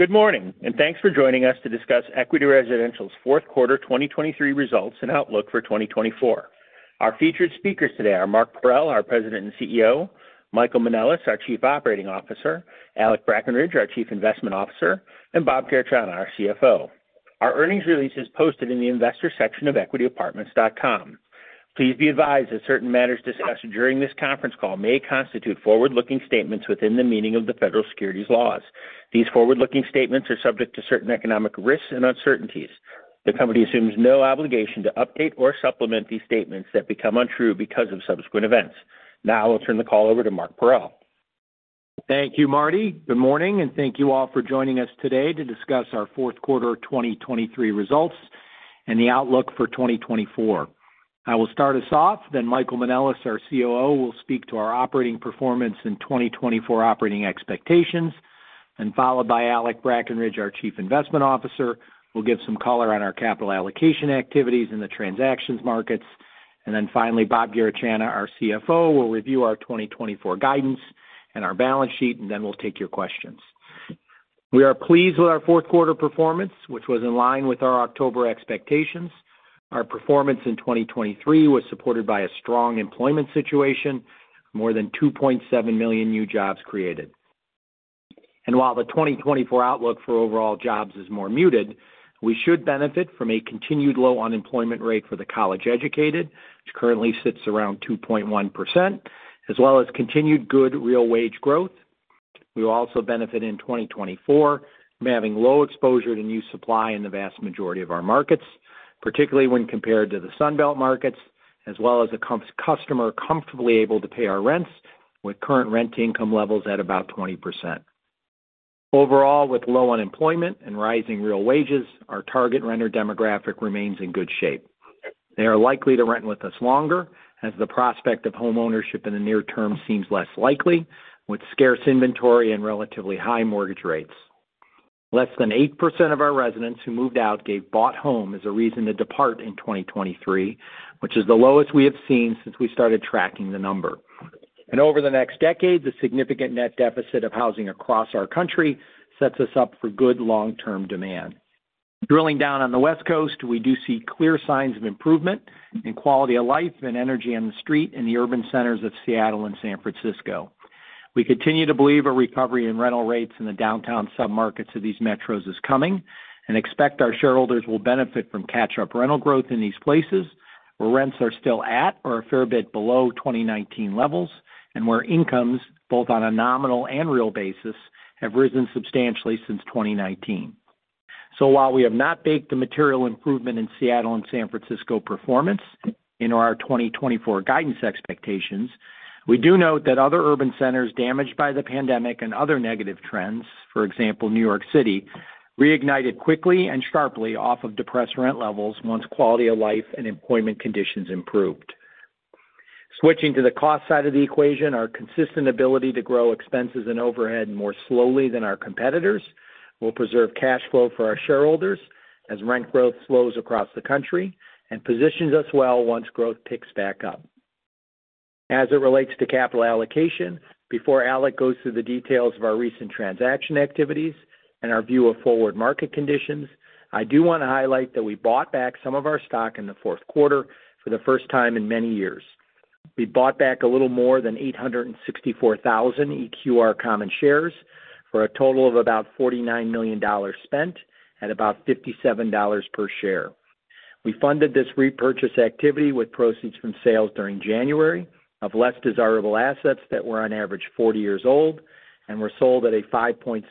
Good morning, and thanks for joining us to discuss Equity Residential's Fourth Quarter 2023 Results and Outlook for 2024. Our featured speakers today are Mark Parrell, our President and CEO; Michael Manelis, our Chief Operating Officer; Alec Brackenridge, our Chief Investment Officer; and Bob Garechana, our CFO. Our earnings release is posted in the Investors section of equityapartments.com. Please be advised that certain matters discussed during this conference call may constitute forward-looking statements within the meaning of the federal securities laws. These forward-looking statements are subject to certain economic risks and uncertainties. The company assumes no obligation to update or supplement these statements that become untrue because of subsequent events. Now I'll turn the call over to Mark Parrell. Thank you, Marty. Good morning, and thank you all for joining us today to discuss our Fourth Quarter 2023 Results and the Outlook for 2024. I will start us off, then Michael Manelis, our COO, will speak to our operating performance in 2024 operating expectations, and followed by Alec Brackenridge, our Chief Investment Officer, will give some color on our capital allocation activities in the transactions markets. Then finally, Bob Garechana, our CFO, will review our 2024 guidance and our balance sheet, and then we'll take your questions. We are pleased with our fourth quarter performance, which was in line with our October expectations. Our performance in 2023 was supported by a strong employment situation, more than 2.7 million new jobs created. While the 2024 outlook for overall jobs is more muted, we should benefit from a continued low unemployment rate for the college-educated, which currently sits around 2.1%, as well as continued good real wage growth. We will also benefit in 2024 from having low exposure to new supply in the vast majority of our markets, particularly when compared to the Sun Belt markets, as well as the customer comfortably able to pay our rents, with current rent income levels at about 20%. Overall, with low unemployment and rising real wages, our target renter demographic remains in good shape. They are likely to rent with us longer, as the prospect of homeownership in the near term seems less likely, with scarce inventory and relatively high mortgage rates. Less than 8% of our residents who moved out gave Bought Home as a reason to depart in 2023, which is the lowest we have seen since we started tracking the number. Over the next decade, the significant net deficit of housing across our country sets us up for good long-term demand. Drilling down on the West Coast, we do see clear signs of improvement in quality of life and energy on the street in the urban centers of Seattle and San Francisco. We continue to believe a recovery in rental rates in the downtown submarkets of these metros is coming, and expect our shareholders will benefit from catch-up rental growth in these places, where rents are still at or a fair bit below 2019 levels, and where incomes, both on a nominal and real basis, have risen substantially since 2019. So while we have not baked the material improvement in Seattle and San Francisco performance into our 2024 guidance expectations, we do note that other urban centers damaged by the pandemic and other negative trends, for example, New York City, reignited quickly and sharply off of depressed rent levels once quality of life and employment conditions improved. Switching to the cost side of the equation, our consistent ability to grow expenses and overhead more slowly than our competitors will preserve cash flow for our shareholders as rent growth slows across the country and positions us well once growth picks back up. As it relates to capital allocation, before Alec goes through the details of our recent transaction activities and our view of forward market conditions, I do want to highlight that we bought back some of our stock in the fourth quarter for the first time in many years. We bought back a little more than 864,000 EQR common shares for a total of about $49 million spent at about $57 per share. We funded this repurchase activity with proceeds from sales during January of less desirable assets that were on average 40 years old and were sold at a 5.6%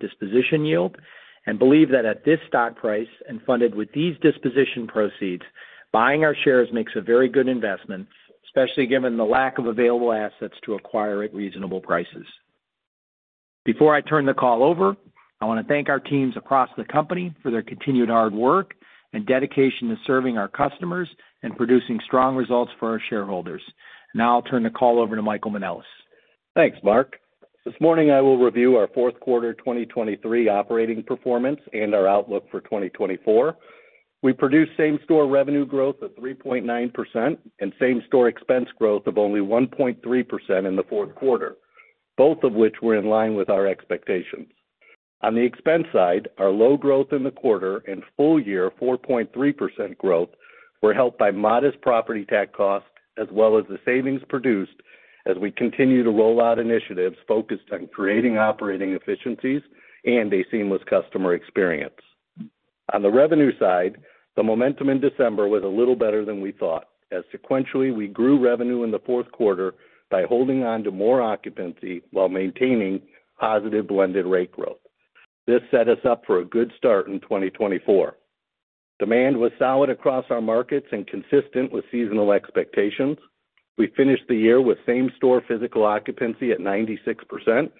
disposition yield, and believe that at this stock price and funded with these disposition proceeds, buying our shares makes a very good investment, especially given the lack of available assets to acquire at reasonable prices. Before I turn the call over, I want to thank our teams across the company for their continued hard work and dedication to serving our customers and producing strong results for our shareholders. Now I'll turn the call over to Michael Manelis. Thanks, Mark. This morning, I will review our fourth quarter 2023 operating performance and our outlook for 2024. We produced same-store revenue growth of 3.9% and same-store expense growth of only 1.3% in the fourth quarter, both of which were in line with our expectations. On the expense side, our low growth in the quarter and full year 4.3% growth were helped by modest property tax costs, as well as the savings produced as we continue to roll out initiatives focused on creating operating efficiencies and a seamless customer experience. On the revenue side, the momentum in December was a little better than we thought, as sequentially, we grew revenue in the fourth quarter by holding on to more occupancy while maintaining positive blended rate growth. This set us up for a good start in 2024. Demand was solid across our markets and consistent with seasonal expectations. We finished the year with same-store physical occupancy at 96%.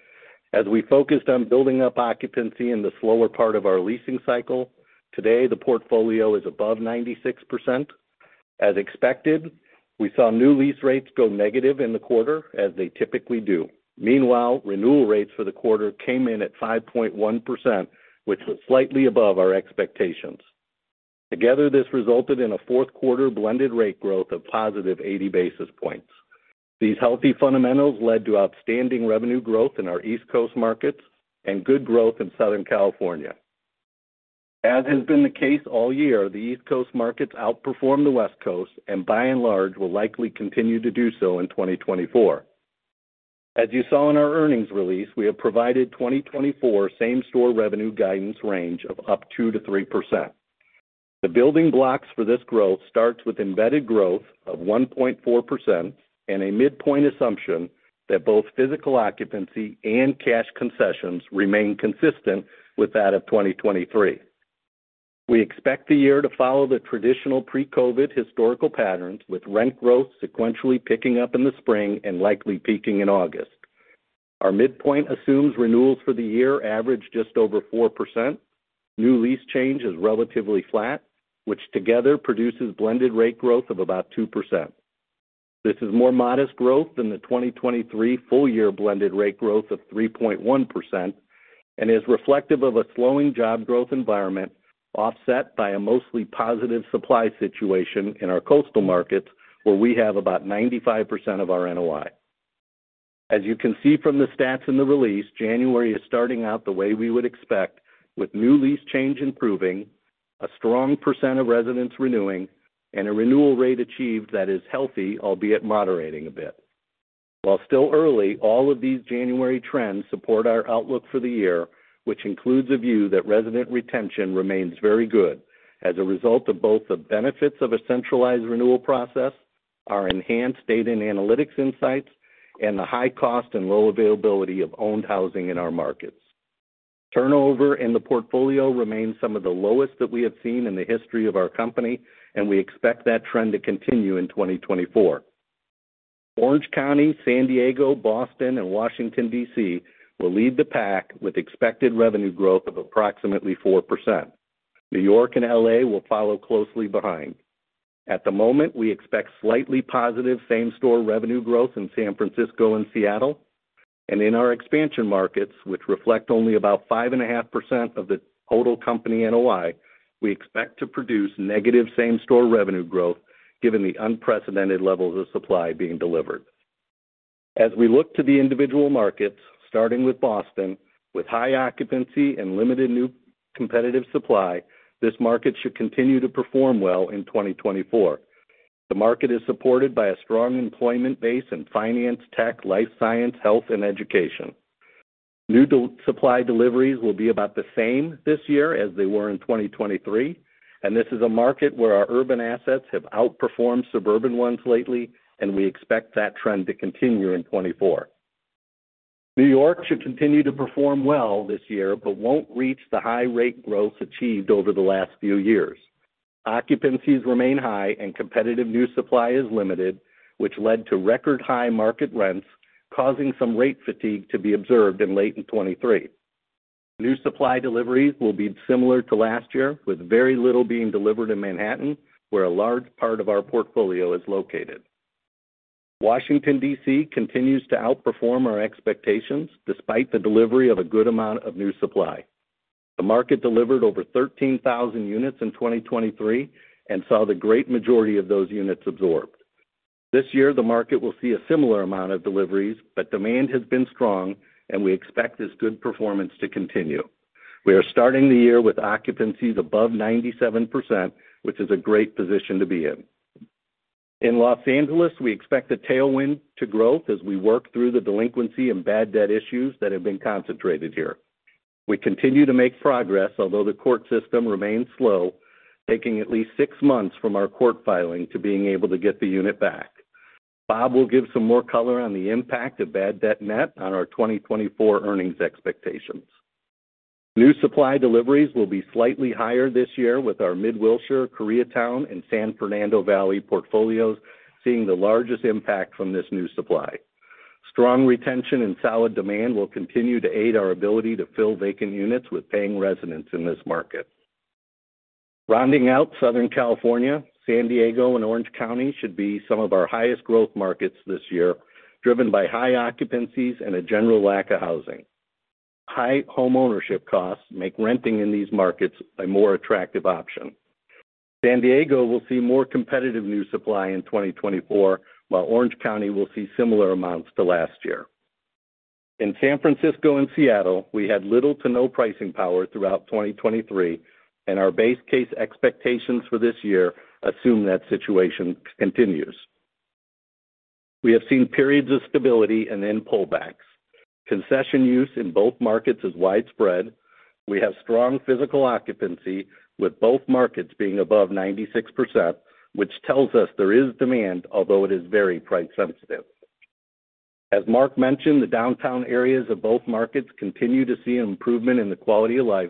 As we focused on building up occupancy in the slower part of our leasing cycle, today, the portfolio is above 96%. As expected, we saw new lease rates go negative in the quarter, as they typically do. Meanwhile, renewal rates for the quarter came in at 5.1%, which was slightly above our expectations. Together, this resulted in a fourth quarter blended rate growth of positive 80 basis points. These healthy fundamentals led to outstanding revenue growth in our East Coast markets and good growth in Southern California. As has been the case all year, the East Coast markets outperformed the West Coast and by and large, will likely continue to do so in 2024. As you saw in our earnings release, we have provided 2024 same-store revenue guidance range of up 2%-3%. The building blocks for this growth starts with embedded growth of 1.4% and a midpoint assumption that both physical occupancy and cash concessions remain consistent with that of 2023. We expect the year to follow the traditional pre-COVID historical patterns, with rent growth sequentially picking up in the spring and likely peaking in August. Our midpoint assumes renewals for the year average just over 4%. New lease change is relatively flat, which together produces blended rate growth of about 2%. This is more modest growth than the 2023 full year blended rate growth of 3.1%, and is reflective of a slowing job growth environment, offset by a mostly positive supply situation in our coastal markets, where we have about 95% of our NOI. As you can see from the stats in the release, January is starting out the way we would expect, with new lease change improving, a strong percent of residents renewing, and a renewal rate achieved that is healthy, albeit moderating a bit. While still early, all of these January trends support our outlook for the year, which includes a view that resident retention remains very good as a result of both the benefits of a centralized renewal process, our enhanced data and analytics insights, and the high cost and low availability of owned housing in our markets. Turnover in the portfolio remains some of the lowest that we have seen in the history of our company, and we expect that trend to continue in 2024. Orange County, San Diego, Boston, and Washington, D.C., will lead the pack with expected revenue growth of approximately 4%. New York and L.A. will follow closely behind. At the moment, we expect slightly positive same-store revenue growth in San Francisco and Seattle, and in our expansion markets, which reflect only about 5.5% of the total company NOI, we expect to produce negative same-store revenue growth, given the unprecedented levels of supply being delivered. As we look to the individual markets, starting with Boston, with high occupancy and limited new competitive supply, this market should continue to perform well in 2024. The market is supported by a strong employment base in finance, tech, life science, health, and education. New supply deliveries will be about the same this year as they were in 2023, and this is a market where our urban assets have outperformed suburban ones lately, and we expect that trend to continue in 2024. New York should continue to perform well this year, but won't reach the high rate growth achieved over the last few years. Occupancies remain high and competitive new supply is limited, which led to record high market rents, causing some rate fatigue to be observed in late 2023. New supply deliveries will be similar to last year, with very little being delivered in Manhattan, where a large part of our portfolio is located. Washington, D.C., continues to outperform our expectations, despite the delivery of a good amount of new supply. The market delivered over 13,000 units in 2023 and saw the great majority of those units absorbed. This year, the market will see a similar amount of deliveries, but demand has been strong, and we expect this good performance to continue. We are starting the year with occupancies above 97%, which is a great position to be in. In Los Angeles, we expect a tailwind to growth as we work through the delinquency and bad debt issues that have been concentrated here. We continue to make progress, although the court system remains slow, taking at least six months from our court filing to being able to get the unit back. Bob will give some more color on the impact of bad debt net on our 2024 earnings expectations. New supply deliveries will be slightly higher this year, with our Mid-Wilshire, Koreatown, and San Fernando Valley portfolios seeing the largest impact from this new supply. Strong retention and solid demand will continue to aid our ability to fill vacant units with paying residents in this market. Rounding out Southern California, San Diego and Orange County should be some of our highest growth markets this year, driven by high occupancies and a general lack of housing. High homeownership costs make renting in these markets a more attractive option. San Diego will see more competitive new supply in 2024, while Orange County will see similar amounts to last year. In San Francisco and Seattle, we had little to no pricing power throughout 2023, and our base case expectations for this year assume that situation continues. We have seen periods of stability and then pullbacks. Concession use in both markets is widespread. We have strong physical occupancy, with both markets being above 96%, which tells us there is demand, although it is very price sensitive. As Mark mentioned, the downtown areas of both markets continue to see improvement in the quality of life,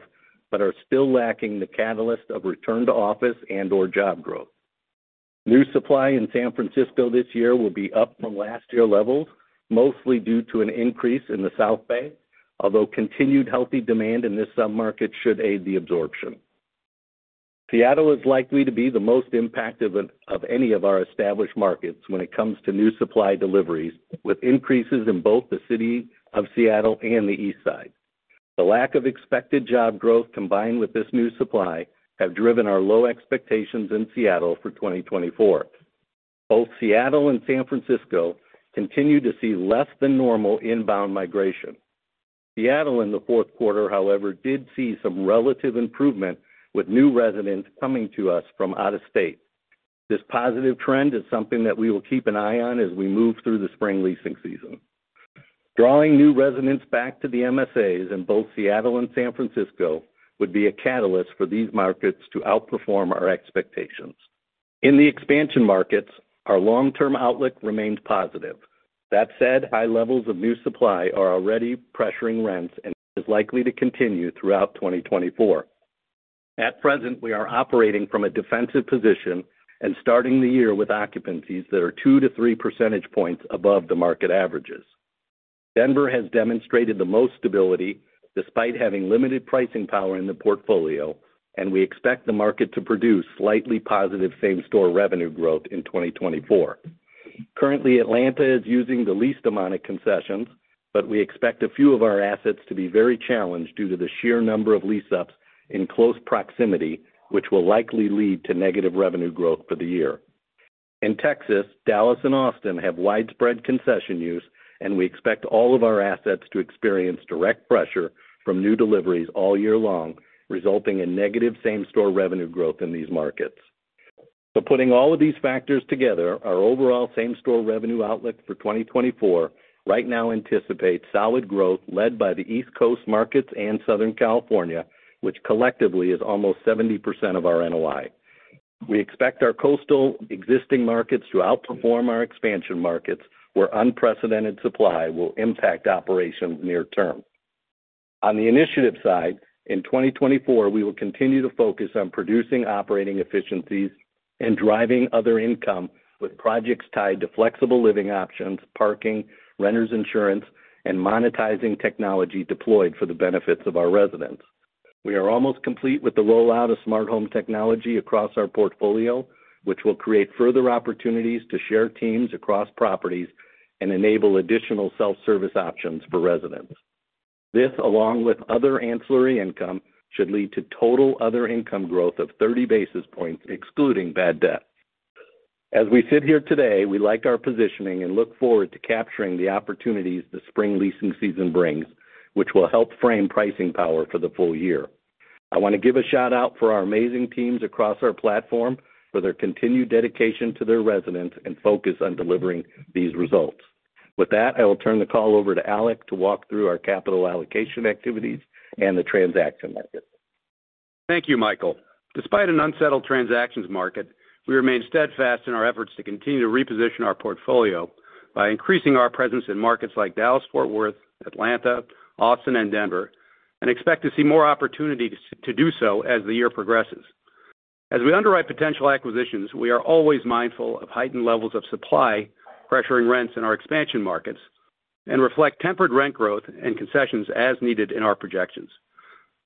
but are still lacking the catalyst of return to office and/or job growth. New supply in San Francisco this year will be up from last year levels, mostly due to an increase in the South Bay, although continued healthy demand in this sub-market should aid the absorption. Seattle is likely to be the most impacted of any of our established markets when it comes to new supply deliveries, with increases in both the City of Seattle and the East Side. The lack of expected job growth, combined with this new supply, have driven our low expectations in Seattle for 2024. Both Seattle and San Francisco continue to see less than normal inbound migration. Seattle, in the fourth quarter, however, did see some relative improvement with new residents coming to us from out of state. This positive trend is something that we will keep an eye on as we move through the spring leasing season. Drawing new residents back to the MSAs in both Seattle and San Francisco would be a catalyst for these markets to outperform our expectations. In the expansion markets, our long-term outlook remains positive. That said, high levels of new supply are already pressuring rents, and is likely to continue throughout 2024. At present, we are operating from a defensive position and starting the year with occupancies that are 2-3 percentage points above the market averages. Denver has demonstrated the most stability, despite having limited pricing power in the portfolio, and we expect the market to produce slightly positive same-store revenue growth in 2024. Currently, Atlanta is using the least amount of concessions, but we expect a few of our assets to be very challenged due to the sheer number of lease-ups in close proximity, which will likely lead to negative revenue growth for the year. In Texas, Dallas and Austin have widespread concession use, and we expect all of our assets to experience direct pressure from new deliveries all year long, resulting in negative same-store revenue growth in these markets. So putting all of these factors together, our overall same-store revenue outlook for 2024 right now anticipates solid growth led by the East Coast markets and Southern California, which collectively is almost 70% of our NOI. We expect our coastal existing markets to outperform our expansion markets, where unprecedented supply will impact operations near term. On the initiative side, in 2024, we will continue to focus on producing operating efficiencies and driving other income with projects tied to flexible living options, parking, renter's insurance, and monetizing technology deployed for the benefits of our residents. We are almost complete with the rollout of smart home technology across our portfolio, which will create further opportunities to share teams across properties and enable additional self-service options for residents. This, along with other ancillary income, should lead to total other income growth of 30 basis points, excluding bad debt. As we sit here today, we like our positioning and look forward to capturing the opportunities the spring leasing season brings, which will help frame pricing power for the full year. I want to give a shout-out for our amazing teams across our platform for their continued dedication to their residents and focus on delivering these results. With that, I will turn the call over to Alec to walk through our capital allocation activities and the transaction market. Thank you, Michael. Despite an unsettled transactions market, we remain steadfast in our efforts to continue to reposition our portfolio by increasing our presence in markets like Dallas, Fort Worth, Atlanta, Austin, and Denver, and expect to see more opportunities to do so as the year progresses. As we underwrite potential acquisitions, we are always mindful of heightened levels of supply, pressuring rents in our expansion markets, and reflect tempered rent growth and concessions as needed in our projections.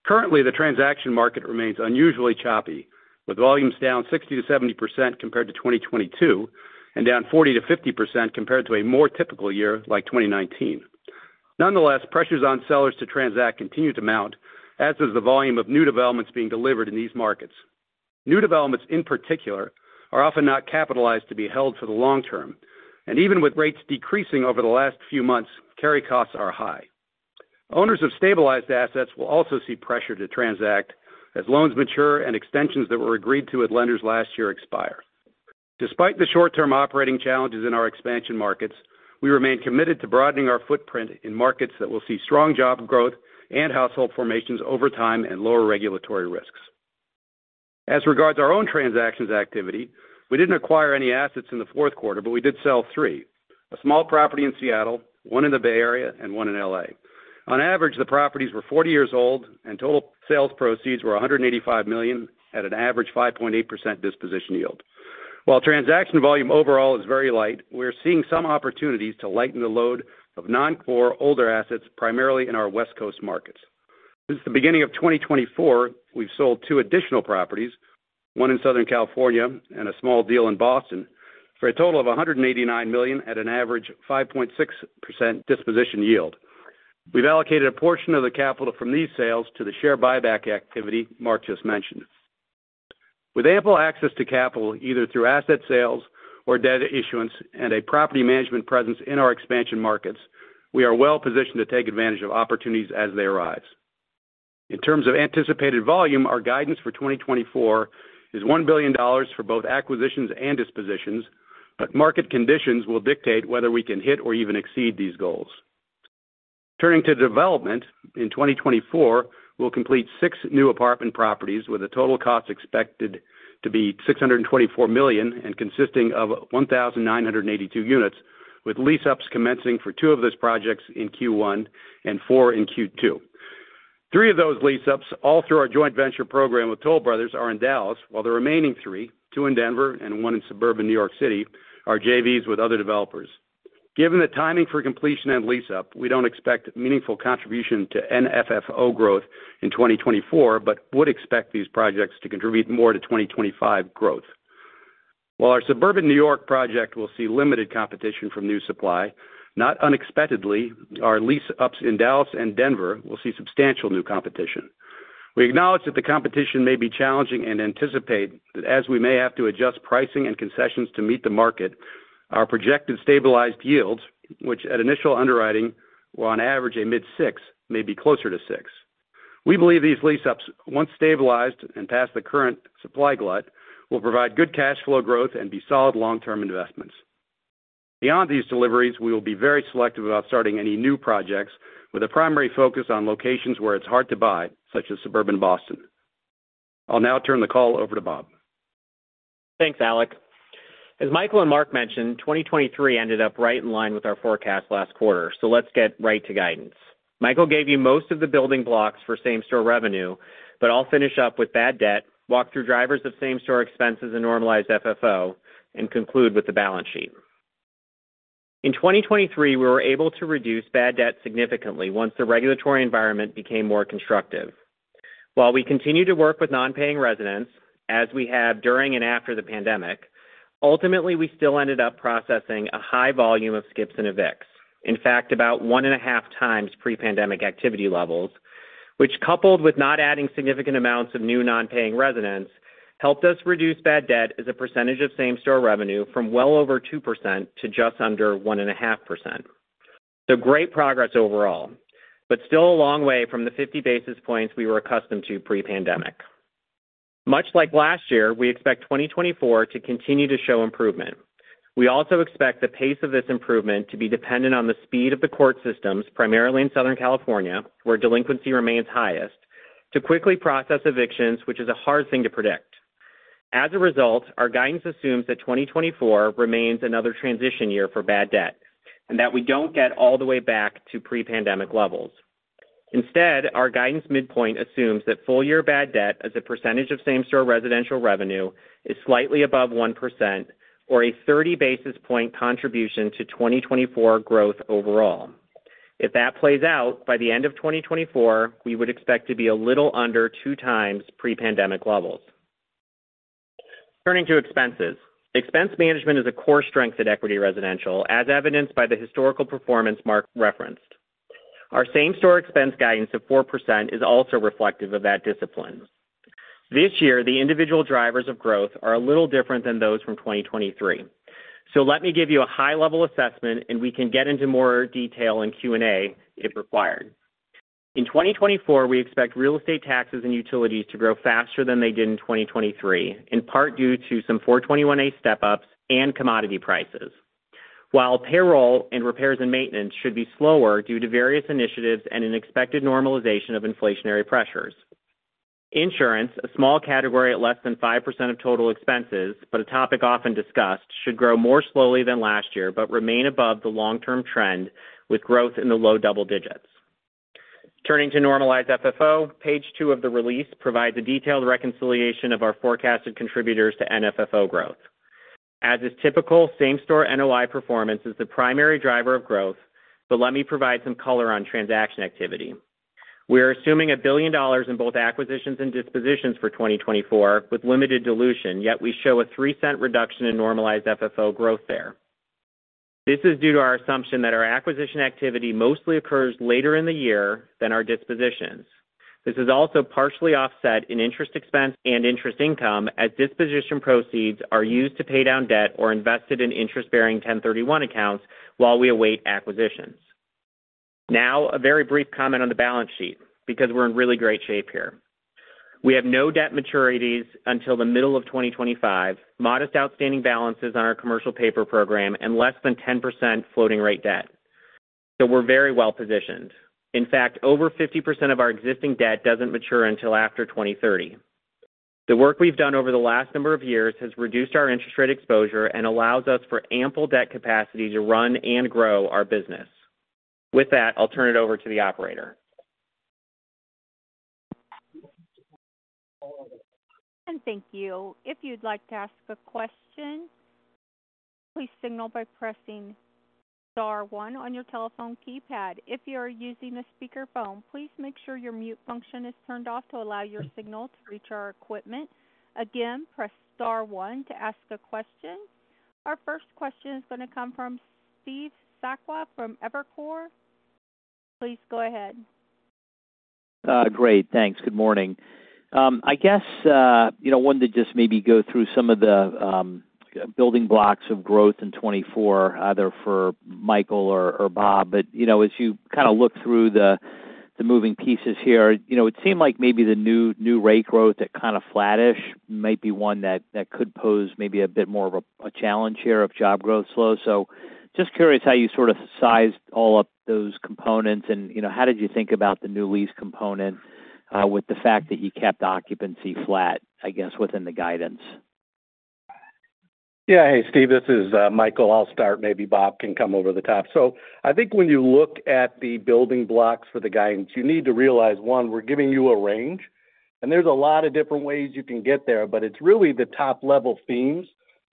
Currently, the transaction market remains unusually choppy, with volumes down 60%-70% compared to 2022, and down 40%-50% compared to a more typical year, like 2019. Nonetheless, pressures on sellers to transact continue to mount, as does the volume of new developments being delivered in these markets. New developments, in particular, are often not capitalized to be held for the long term, and even with rates decreasing over the last few months, carry costs are high. Owners of stabilized assets will also see pressure to transact as loans mature and extensions that were agreed to with lenders last year expire. Despite the short-term operating challenges in our expansion markets, we remain committed to broadening our footprint in markets that will see strong job growth and household formations over time and lower regulatory risks. As regards our own transactions activity, we didn't acquire any assets in the fourth quarter, but we did sell three: a small property in Seattle, one in the Bay Area, and one in LA. On average, the properties were 40 years old, and total sales proceeds were $185 million at an average 5.8% disposition yield. While transaction volume overall is very light, we're seeing some opportunities to lighten the load of non-core older assets, primarily in our West Coast markets. Since the beginning of 2024, we've sold two additional properties, one in Southern California and a small deal in Boston, for a total of $189 million at an average 5.6% disposition yield. We've allocated a portion of the capital from these sales to the share buyback activity Mark just mentioned. With ample access to capital, either through asset sales or debt issuance and a property management presence in our expansion markets, we are well positioned to take advantage of opportunities as they arise. In terms of anticipated volume, our guidance for 2024 is $1 billion for both acquisitions and dispositions, but market conditions will dictate whether we can hit or even exceed these goals. Turning to development, in 2024, we'll complete six new apartment properties with a total cost expected to be $624 million and consisting of 1,982 units, with lease-ups commencing for two of those projects in Q1 and four in Q2. Three of those lease-ups, all through our joint venture program with Toll Brothers, are in Dallas, while the remaining three, two in Denver and one in suburban New York City, are JVs with other developers. Given the timing for completion and lease-up, we don't expect meaningful contribution to NFFO growth in 2024, but would expect these projects to contribute more to 2025 growth. While our suburban New York project will see limited competition from new supply, not unexpectedly, our lease-ups in Dallas and Denver will see substantial new competition. We acknowledge that the competition may be challenging and anticipate that as we may have to adjust pricing and concessions to meet the market, our projected stabilized yields, which at initial underwriting were on average a mid-six, may be closer to six. We believe these lease-ups, once stabilized and past the current supply glut, will provide good cash flow growth and be solid long-term investments. Beyond these deliveries, we will be very selective about starting any new projects, with a primary focus on locations where it's hard to buy, such as suburban Boston. I'll now turn the call over to Bob. Thanks, Alec. As Michael and Mark mentioned, 2023 ended up right in line with our forecast last quarter, so let's get right to guidance. Michael gave you most of the building blocks for same-store revenue, but I'll finish up with bad debt, walk through drivers of same-store expenses and normalized FFO, and conclude with the balance sheet. In 2023, we were able to reduce bad debt significantly once the regulatory environment became more constructive. While we continue to work with non-paying residents, as we have during and after the pandemic, ultimately, we still ended up processing a high volume of skips and evicts. In fact, about 1.5 times pre-pandemic activity levels, which, coupled with not adding significant amounts of new non-paying residents, helped us reduce bad debt as a percentage of same-store revenue from well over 2% to just under 1.5%. So great progress overall, but still a long way from the 50 basis points we were accustomed to pre-pandemic. Much like last year, we expect 2024 to continue to show improvement. We also expect the pace of this improvement to be dependent on the speed of the court systems, primarily in Southern California, where delinquency remains highest, to quickly process evictions, which is a hard thing to predict. As a result, our guidance assumes that 2024 remains another transition year for bad debt, and that we don't get all the way back to pre-pandemic levels. Instead, our guidance midpoint assumes that full year bad debt, as a percentage of same-store residential revenue, is slightly above 1% or a 30 basis point contribution to 2024 growth overall. If that plays out, by the end of 2024, we would expect to be a little under two times pre-pandemic levels. Turning to expenses. Expense management is a core strength at Equity Residential, as evidenced by the historical performance Mark referenced. Our same-store expense guidance of 4% is also reflective of that discipline. This year, the individual drivers of growth are a little different than those from 2023. So let me give you a high level assessment, and we can get into more detail in Q&A, if required. In 2024, we expect real estate taxes and utilities to grow faster than they did in 2023, in part due to some 421-a step-ups and commodity prices, while payroll and repairs and maintenance should be slower due to various initiatives and an expected normalization of inflationary pressures. Insurance, a small category at less than 5% of total expenses, but a topic often discussed, should grow more slowly than last year, but remain above the long-term trend, with growth in the low double digits. Turning to normalized FFO, page two of the release provides a detailed reconciliation of our forecasted contributors to NFFO growth. As is typical, same-store NOI performance is the primary driver of growth, but let me provide some color on transaction activity. We are assuming $1 billion in both acquisitions and dispositions for 2024, with limited dilution, yet we show a $0.03 reduction in normalized FFO growth there. This is due to our assumption that our acquisition activity mostly occurs later in the year than our dispositions. This is also partially offset in interest expense and interest income, as disposition proceeds are used to pay down debt or invested in interest-bearing 1031 accounts while we await acquisitions. Now, a very brief comment on the balance sheet, because we're in really great shape here. We have no debt maturities until the middle of 2025, modest outstanding balances on our commercial paper program, and less than 10% floating rate debt. So we're very well positioned. In fact, over 50% of our existing debt doesn't mature until after 2030. The work we've done over the last number of years has reduced our interest rate exposure and allows us for ample debt capacity to run and grow our business. With that, I'll turn it over to the operator. Thank you. If you'd like to ask a question, please signal by pressing star one on your telephone keypad. If you are using a speakerphone, please make sure your mute function is turned off to allow your signal to reach our equipment. Again, press star one to ask a question. Our first question is going to come from Steve Sakwa from Evercore. Please go ahead. Great, thanks. Good morning. I guess, you know, wanted to just maybe go through some of the building blocks of growth in 2024, either for Michael or Bob. But, you know, as you kind of look through the moving pieces here, you know, it seemed like maybe the new rate growth at kind of flattish might be one that could pose maybe a bit more of a challenge here if job growth slows. So just curious how you sort of sized all up those components and, you know, how did you think about the new lease component with the fact that you kept occupancy flat, I guess, within the guidance? Yeah. Hey, Steve, this is Michael. I'll start, maybe Bob can come over the top. So I think when you look at the building blocks for the guidance, you need to realize, one, we're giving you a range, and there's a lot of different ways you can get there, but it's really the top-level themes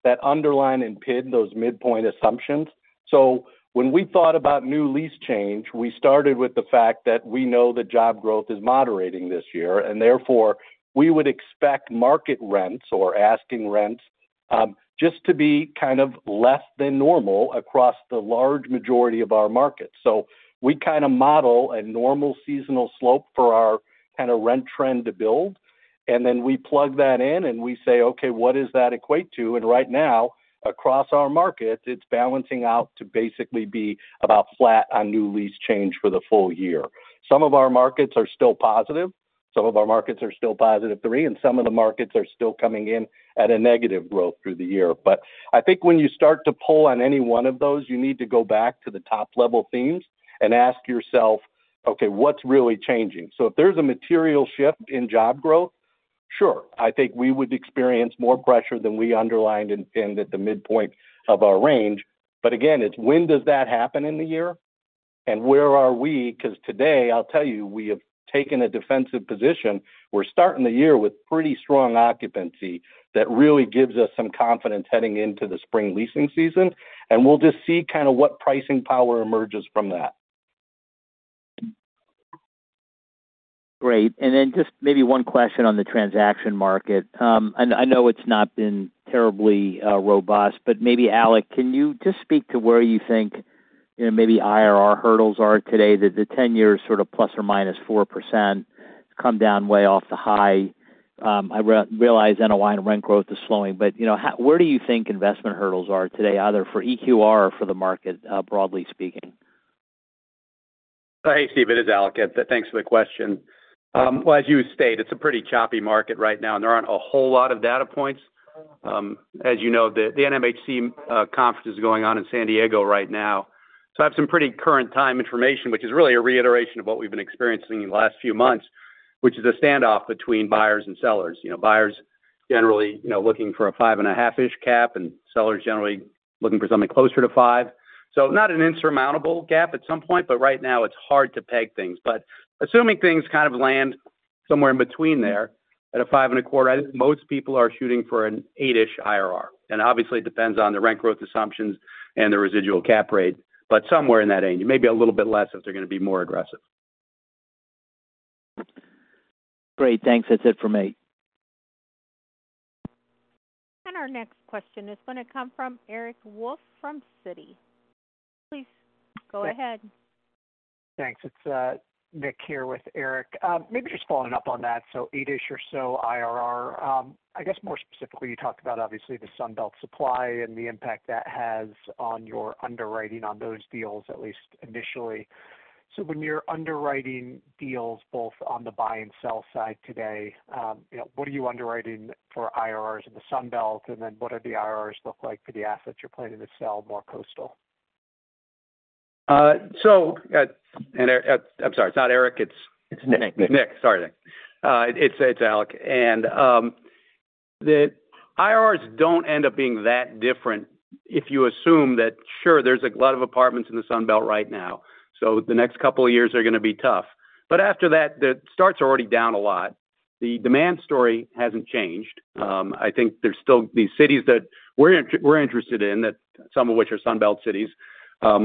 that underline and pin those midpoint assumptions. So when we thought about new lease change, we started with the fact that we know that job growth is moderating this year, and therefore, we would expect market rents or asking rents, just to be kind of less than normal across the large majority of our markets. So we kind of model a normal seasonal slope for our kind of rent trend to build, and then we plug that in, and we say, okay, what does that equate to? And right now, across our market, it's balancing out to basically be about flat on new lease change for the full year. Some of our markets are still positive, some of our markets are still positive three, and some of the markets are still coming in at a negative growth through the year. But I think when you start to pull on any one of those, you need to go back to the top-level themes and ask yourself, okay, what's really changing? So if there's a material shift in job growth, sure, I think we would experience more pressure than we underlined and pinned at the midpoint of our range. But again, it's when does that happen in the year? And where are we? Because today, I'll tell you, we have taken a defensive position. We're starting the year with pretty strong occupancy that really gives us some confidence heading into the spring leasing season, and we'll just see kind of what pricing power emerges from that. Great. And then just maybe one question on the transaction market. And I know it's not been terribly robust, but maybe, Alec, can you just speak to where you think, you know, maybe IRR hurdles are today? The 10-year sort of ±4% come down way off the high. I realize NOI and rent growth is slowing, but, you know, where do you think investment hurdles are today, either for EQR or for the market, broadly speaking? Hey, Steve, it is Alec. Thanks for the question. Well, as you stated, it's a pretty choppy market right now, and there aren't a whole lot of data points. As you know, the NMHC conference is going on in San Diego right now, so I have some pretty current time information, which is really a reiteration of what we've been experiencing in the last few months, which is a standoff between buyers and sellers. You know, buyers generally, you know, looking for a 5.5-ish cap, and sellers generally looking for something closer to 5. So not an insurmountable gap at some point, but right now it's hard to peg things. But assuming things kind of land somewhere in between there, at a 5.25, I think most people are shooting for an eight-ish IRR. Obviously, it depends on the rent growth assumptions and the residual cap rate, but somewhere in that range, maybe a little bit less, if they're gonna be more aggressive. Great, thanks. That's it for me. Our next question is gonna come from Eric Wolfe from Citi. Please go ahead. Thanks. It's Nick here with Eric. Maybe just following up on that, so eight-ish or so IRR. I guess more specifically, you talked about obviously the Sun Belt supply and the impact that has on your underwriting on those deals, at least initially. So when you're underwriting deals, both on the buy and sell side today, you know, what are you underwriting for IRRs in the Sun Belt? And then what are the IRRs look like for the assets you're planning to sell more coastal? I'm sorry, it's not Eric, it's- It's Nick. Nick. Sorry. It's, it's Alec. And, the IRRs don't end up being that different if you assume that, sure, there's a lot of apartments in the Sun Belt right now, so the next couple of years are gonna be tough. But after that, the starts are already down a lot. The demand story hasn't changed. I think there's still these cities that we're interested in, that some of which are Sun Belt cities,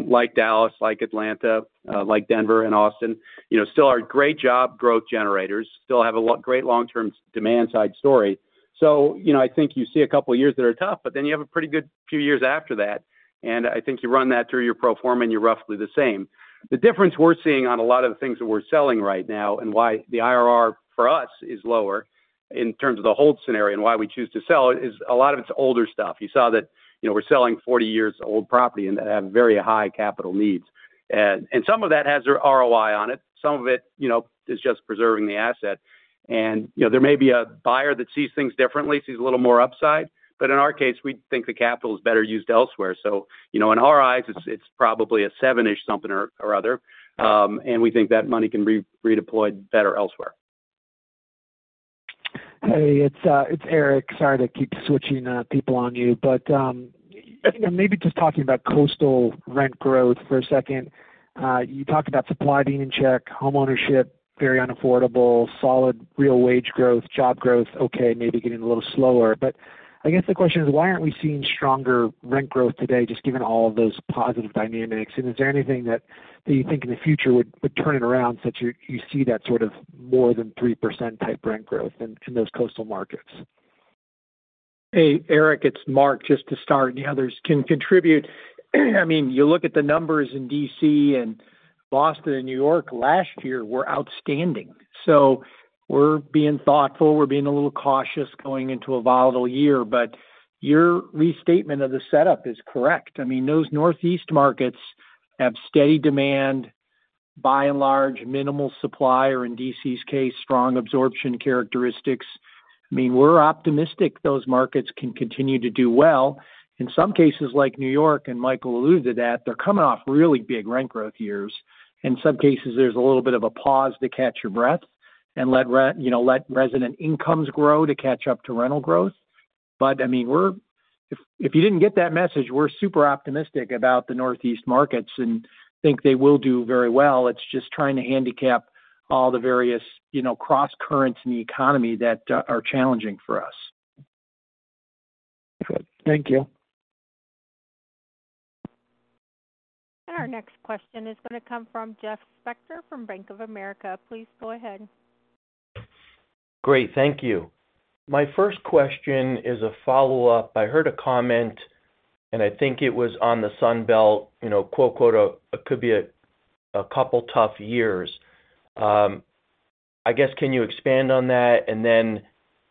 like Dallas, like Atlanta, like Denver and Austin, you know, still are great job growth generators, still have a great long-term demand side story. So, you know, I think you see a couple of years that are tough, but then you have a pretty good few years after that, and I think you run that through your pro forma, and you're roughly the same. The difference we're seeing on a lot of the things that we're selling right now and why the IRR for us is lower in terms of the hold scenario and why we choose to sell is a lot of it's older stuff. You saw that, you know, we're selling 40-year-old property and that have very high capital needs. Some of that has their ROI on it, some of it, you know, is just preserving the asset. You know, there may be a buyer that sees things differently, sees a little more upside, but in our case, we think the capital is better used elsewhere. You know, in our eyes, it's probably a seven-ish something or other, and we think that money can be redeployed better elsewhere. Hey, it's Eric. Sorry to keep switching people on you, but you know, maybe just talking about coastal rent growth for a second. You talked about supply being in check, homeownership very unaffordable, solid real wage growth, job growth, okay, maybe getting a little slower. But I guess the question is, why aren't we seeing stronger rent growth today, just given all of those positive dynamics? And is there anything that you think in the future would turn it around, since you see that sort of more than 3% type rent growth in those coastal markets? Hey, Eric, it's Mark. Just to start, and the others can contribute. I mean, you look at the numbers in D.C. and Boston and New York last year were outstanding. So we're being thoughtful, we're being a little cautious going into a volatile year, but your restatement of the setup is correct. I mean, those Northeast markets have steady demand, by and large, minimal supply, or in D.C.'s case, strong absorption characteristics. I mean, we're optimistic those markets can continue to do well. In some cases, like New York, and Michael alluded to that, they're coming off really big rent growth years. In some cases, there's a little bit of a pause to catch your breath and you know, let resident incomes grow to catch up to rental growth. But, I mean, if you didn't get that message, we're super optimistic about the Northeast markets and think they will do very well. It's just trying to handicap all the various, you know, crosscurrents in the economy that are challenging for us. Thank you. Our next question is going to come from Jeff Spector from Bank of America. Please go ahead. Great, thank you. My first question is a follow-up. I heard a comment, and I think it was on the Sun Belt, you know, "it could be a couple tough years." I guess, can you expand on that? And then,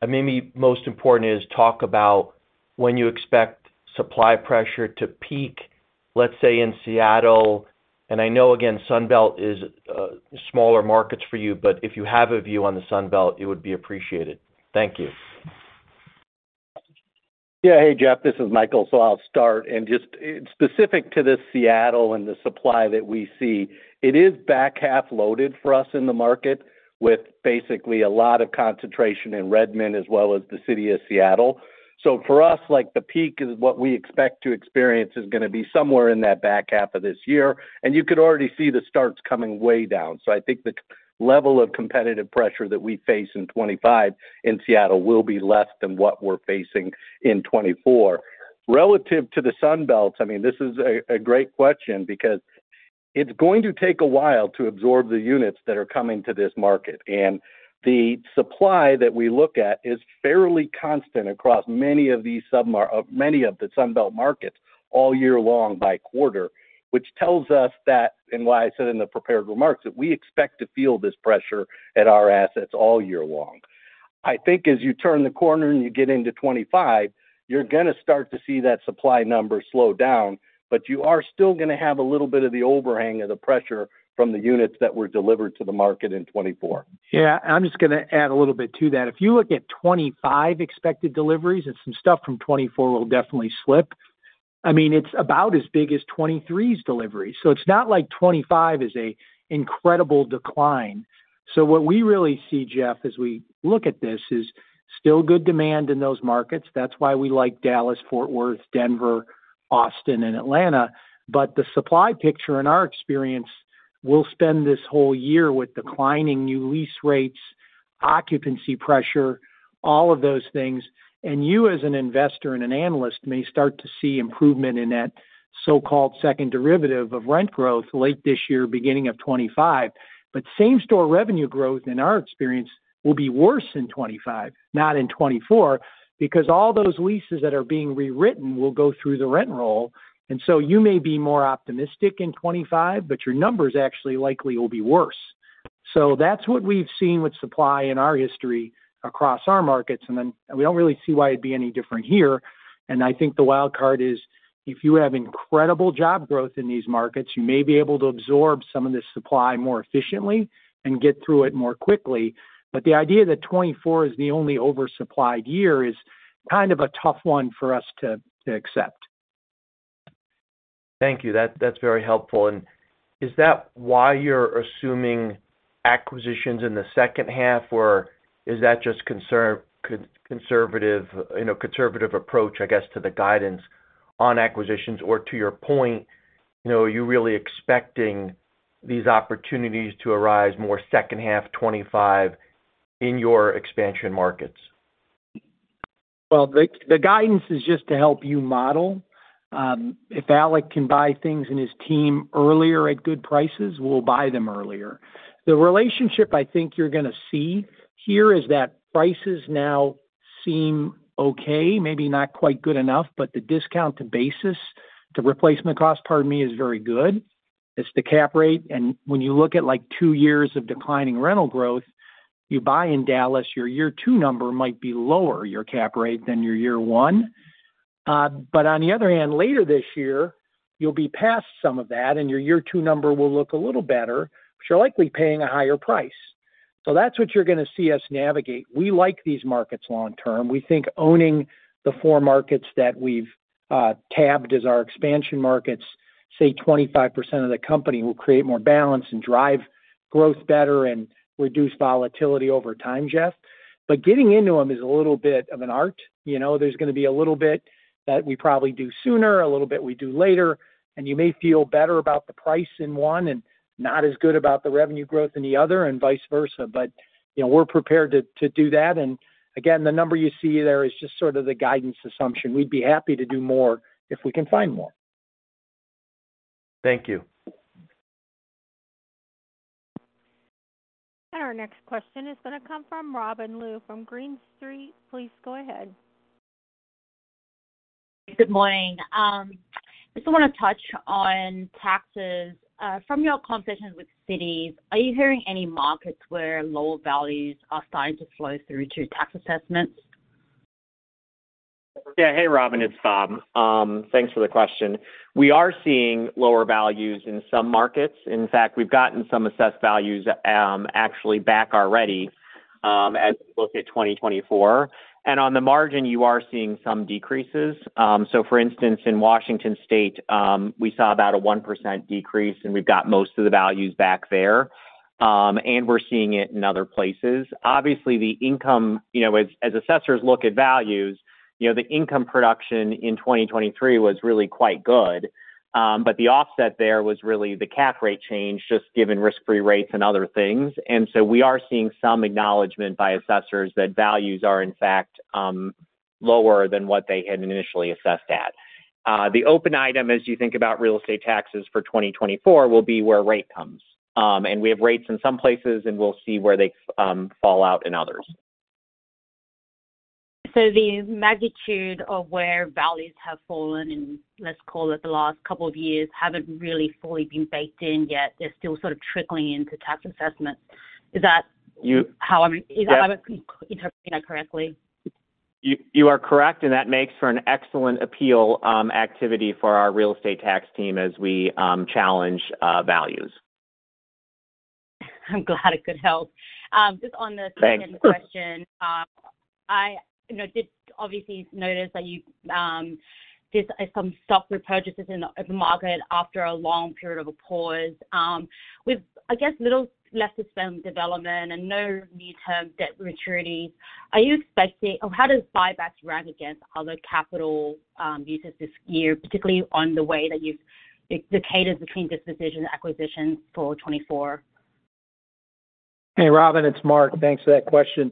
maybe most important is talk about when you expect supply pressure to peak, let's say, in Seattle. And I know, again, Sun Belt is smaller markets for you, but if you have a view on the Sun Belt, it would be appreciated. Thank you. Yeah. Hey, Jeff, this is Michael, so I'll start. Just specific to the Seattle and the supply that we see, it is back half loaded for us in the market, with basically a lot of concentration in Redmond as well as the city of Seattle. So for us, like, the peak is what we expect to experience is going to be somewhere in that back half of this year, and you could already see the starts coming way down. So I think the level of competitive pressure that we face in 2025 in Seattle will be less than what we're facing in 2024. Relative to the Sun Belt, I mean, this is a great question because it's going to take a while to absorb the units that are coming to this market. The supply that we look at is fairly constant across many of these submarkets of many of the Sun Belt markets all year long by quarter, which tells us that, and why I said in the prepared remarks, that we expect to feel this pressure at our assets all year long. I think as you turn the corner and you get into 2025, you're going to start to see that supply number slow down, but you are still going to have a little bit of the overhang of the pressure from the units that were delivered to the market in 2024. Yeah, I'm just going to add a little bit to that. If you look at 2025 expected deliveries, and some stuff from 2024 will definitely slip, I mean, it's about as big as 2023's delivery. So it's not like 2025 is an incredible decline. So what we really see, Jeff, as we look at this, is still good demand in those markets. That's why we like Dallas, Fort Worth, Denver, Austin, and Atlanta. But the supply picture, in our experience, we'll spend this whole year with declining new lease rates, occupancy pressure, all of those things. And you, as an investor and an analyst, may start to see improvement in that so-called second derivative of rent growth late this year, beginning of 2025. But same-store revenue growth, in our experience, will be worse in 2025, not in 2024, because all those leases that are being rewritten will go through the rent roll. And so you may be more optimistic in 2025, but your numbers actually likely will be worse. So that's what we've seen with supply in our history across our markets, and then we don't really see why it'd be any different here. And I think the wild card is if you have incredible job growth in these markets, you may be able to absorb some of this supply more efficiently and get through it more quickly. But the idea that 2024 is the only oversupplied year is kind of a tough one for us to accept. Thank you. That, that's very helpful. And is that why you're assuming acquisitions in the second half, or is that just conservative, you know, conservative approach, I guess, to the guidance on acquisitions? Or to your point, you know, are you really expecting these opportunities to arise more second half 2025 in your expansion markets? Well, the guidance is just to help you model. If Alec can buy things in his team earlier at good prices, we'll buy them earlier. The relationship I think you're going to see here is that prices now seem okay, maybe not quite good enough, but the discount to basis, to replacement cost, pardon me, is very good. It's the cap rate, and when you look at, like, two years of declining rental growth, you buy in Dallas, your year two number might be lower, your cap rate, than your year one. But on the other hand, later this year, you'll be past some of that, and your year two number will look a little better, but you're likely paying a higher price. So that's what you're going to see us navigate. We like these markets long term. We think owning the four markets that we've tabbed as our expansion markets, say 25% of the company, will create more balance and drive growth better and reduce volatility over time, Jeff. But getting into them is a little bit of an art. You know, there's going to be a little bit that we probably do sooner, a little bit we do later, and you may feel better about the price in one and not as good about the revenue growth in the other, and vice versa. But, you know, we're prepared to do that. And again, the number you see there is just sort of the guidance assumption. We'd be happy to do more if we can find more. Thank you. Our next question is going to come from Robin Lu from Green Street. Please go ahead. Good morning. Just want to touch on taxes. From your conversations with cities, are you hearing any markets where lower values are starting to flow through to tax assessments? Yeah. Hey, Robin, it's Bob. Thanks for the question. We are seeing lower values in some markets. In fact, we've gotten some assessed values, actually back already, as we look at 2024. And on the margin, you are seeing some decreases. So for instance, in Washington State, we saw about a 1% decrease, and we've got most of the values back there, and we're seeing it in other places. Obviously, the income. You know, as assessors look at values, you know, the income production in 2023 was really quite good. But the offset there was really the cap rate change, just given risk-free rates and other things. And so we are seeing some acknowledgment by assessors that values are, in fact, lower than what they had initially assessed at. The open item, as you think about real estate taxes for 2024, will be where rate comes. We have rates in some places, and we'll see where they fall out in others. So the magnitude of where values have fallen in, let's call it the last couple of years, haven't really fully been baked in yet. They're still sort of trickling into tax assessment. Is that- You- How I, is that- Yes. interpreting that correctly? You, you are correct, and that makes for an excellent appeal activity for our real estate tax team as we challenge values. I'm glad it could help. Just on the- Thanks. Second question. I, you know, did obviously notice that you did some stock repurchases in the market after a long period of a pause. With, I guess, little left to spend development and no near-term debt maturities, are you expecting—or how does buybacks rank against other capital uses this year, particularly on the way that you've dictated between disposition and acquisition for 2024? Hey, Robin, it's Mark. Thanks for that question.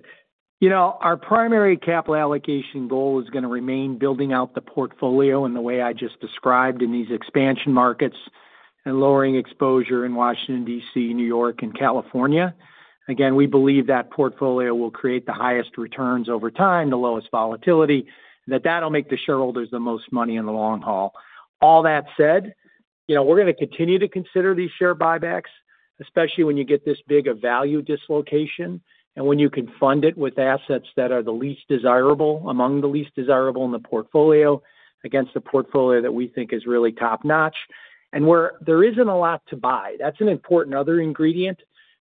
You know, our primary capital allocation goal is gonna remain building out the portfolio in the way I just described in these expansion markets and lowering exposure in Washington, D.C., New York, and California. Again, we believe that portfolio will create the highest returns over time, the lowest volatility, and that that'll make the shareholders the most money in the long haul. All that said, you know, we're gonna continue to consider these share buybacks, especially when you get this big a value dislocation, and when you can fund it with assets that are the least desirable, among the least desirable in the portfolio, against a portfolio that we think is really top-notch. And where there isn't a lot to buy, that's an important other ingredient.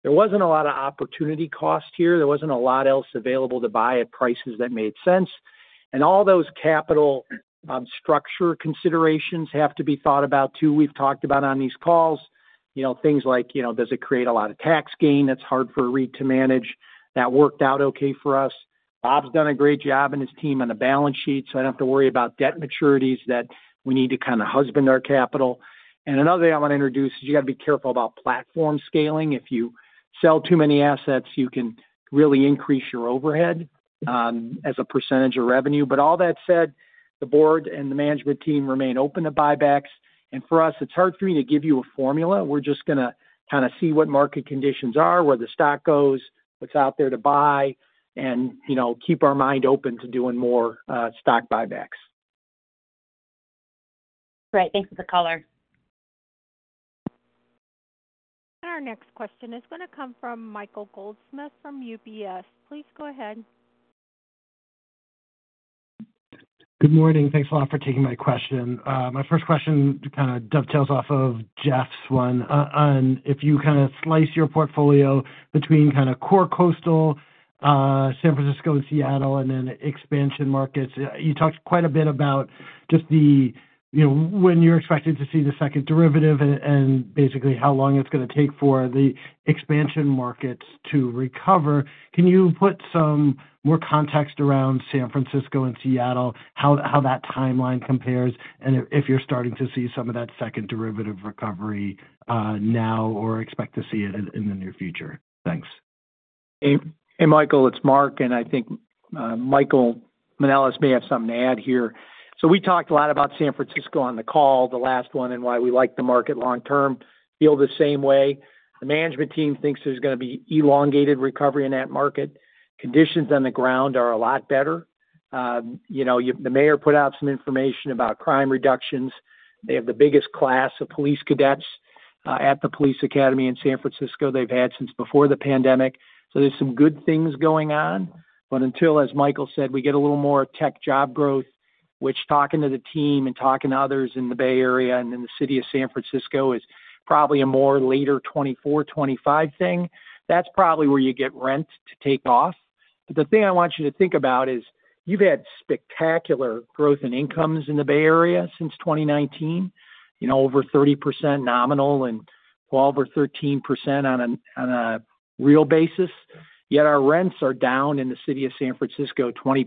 There wasn't a lot of opportunity cost here. There wasn't a lot else available to buy at prices that made sense. All those capital structure considerations have to be thought about, too. We've talked about on these calls, you know, things like, you know, does it create a lot of tax gain that's hard for a REIT to manage? That worked out okay for us. Bob's done a great job and his team on the balance sheet, so I don't have to worry about debt maturities that we need to kind of husband our capital. Another thing I want to introduce is you got to be careful about platform scaling. If you sell too many assets, you can really increase your overhead as a percentage of revenue. But all that said, the board and the management team remain open to buybacks, and for us, it's hard for me to give you a formula. We're just gonna kind of see what market conditions are, where the stock goes, what's out there to buy, and, you know, keep our mind open to doing more, stock buybacks. Great. Thanks for the color. Our next question is going to come from Michael Goldsmith from UBS. Please go ahead. Good morning. Thanks a lot for taking my question. My first question to kind of dovetails off of Jeff's one. And if you kind of slice your portfolio between kind of core coastal, San Francisco and Seattle, and then expansion markets, you talked quite a bit about just the, you know, when you're expected to see the second derivative and, and basically how long it's gonna take for the expansion markets to recover. Can you put some more context around San Francisco and Seattle, how, how that timeline compares, and if, if you're starting to see some of that second derivative recovery, now or expect to see it in, in the near future? Thanks. Hey, hey, Michael, it's Mark, and I think Michael Manelis may have something to add here. So we talked a lot about San Francisco on the call, the last one, and why we like the market long term. Feel the same way. The management team thinks there's gonna be elongated recovery in that market. Conditions on the ground are a lot better. You know, the mayor put out some information about crime reductions. They have the biggest class of police cadets at the police academy in San Francisco they've had since before the pandemic. So there's some good things going on. But until, as Michael said, we get a little more tech job growth, which talking to the team and talking to others in the Bay Area and in the city of San Francisco, is probably a more later 2024, 2025 thing. That's probably where you get rent to take off. But the thing I want you to think about is, you've had spectacular growth in incomes in the Bay Area since 2019, you know, over 30% nominal and 12% or 13% on a, on a real basis. Yet our rents are down in the city of San Francisco, 20%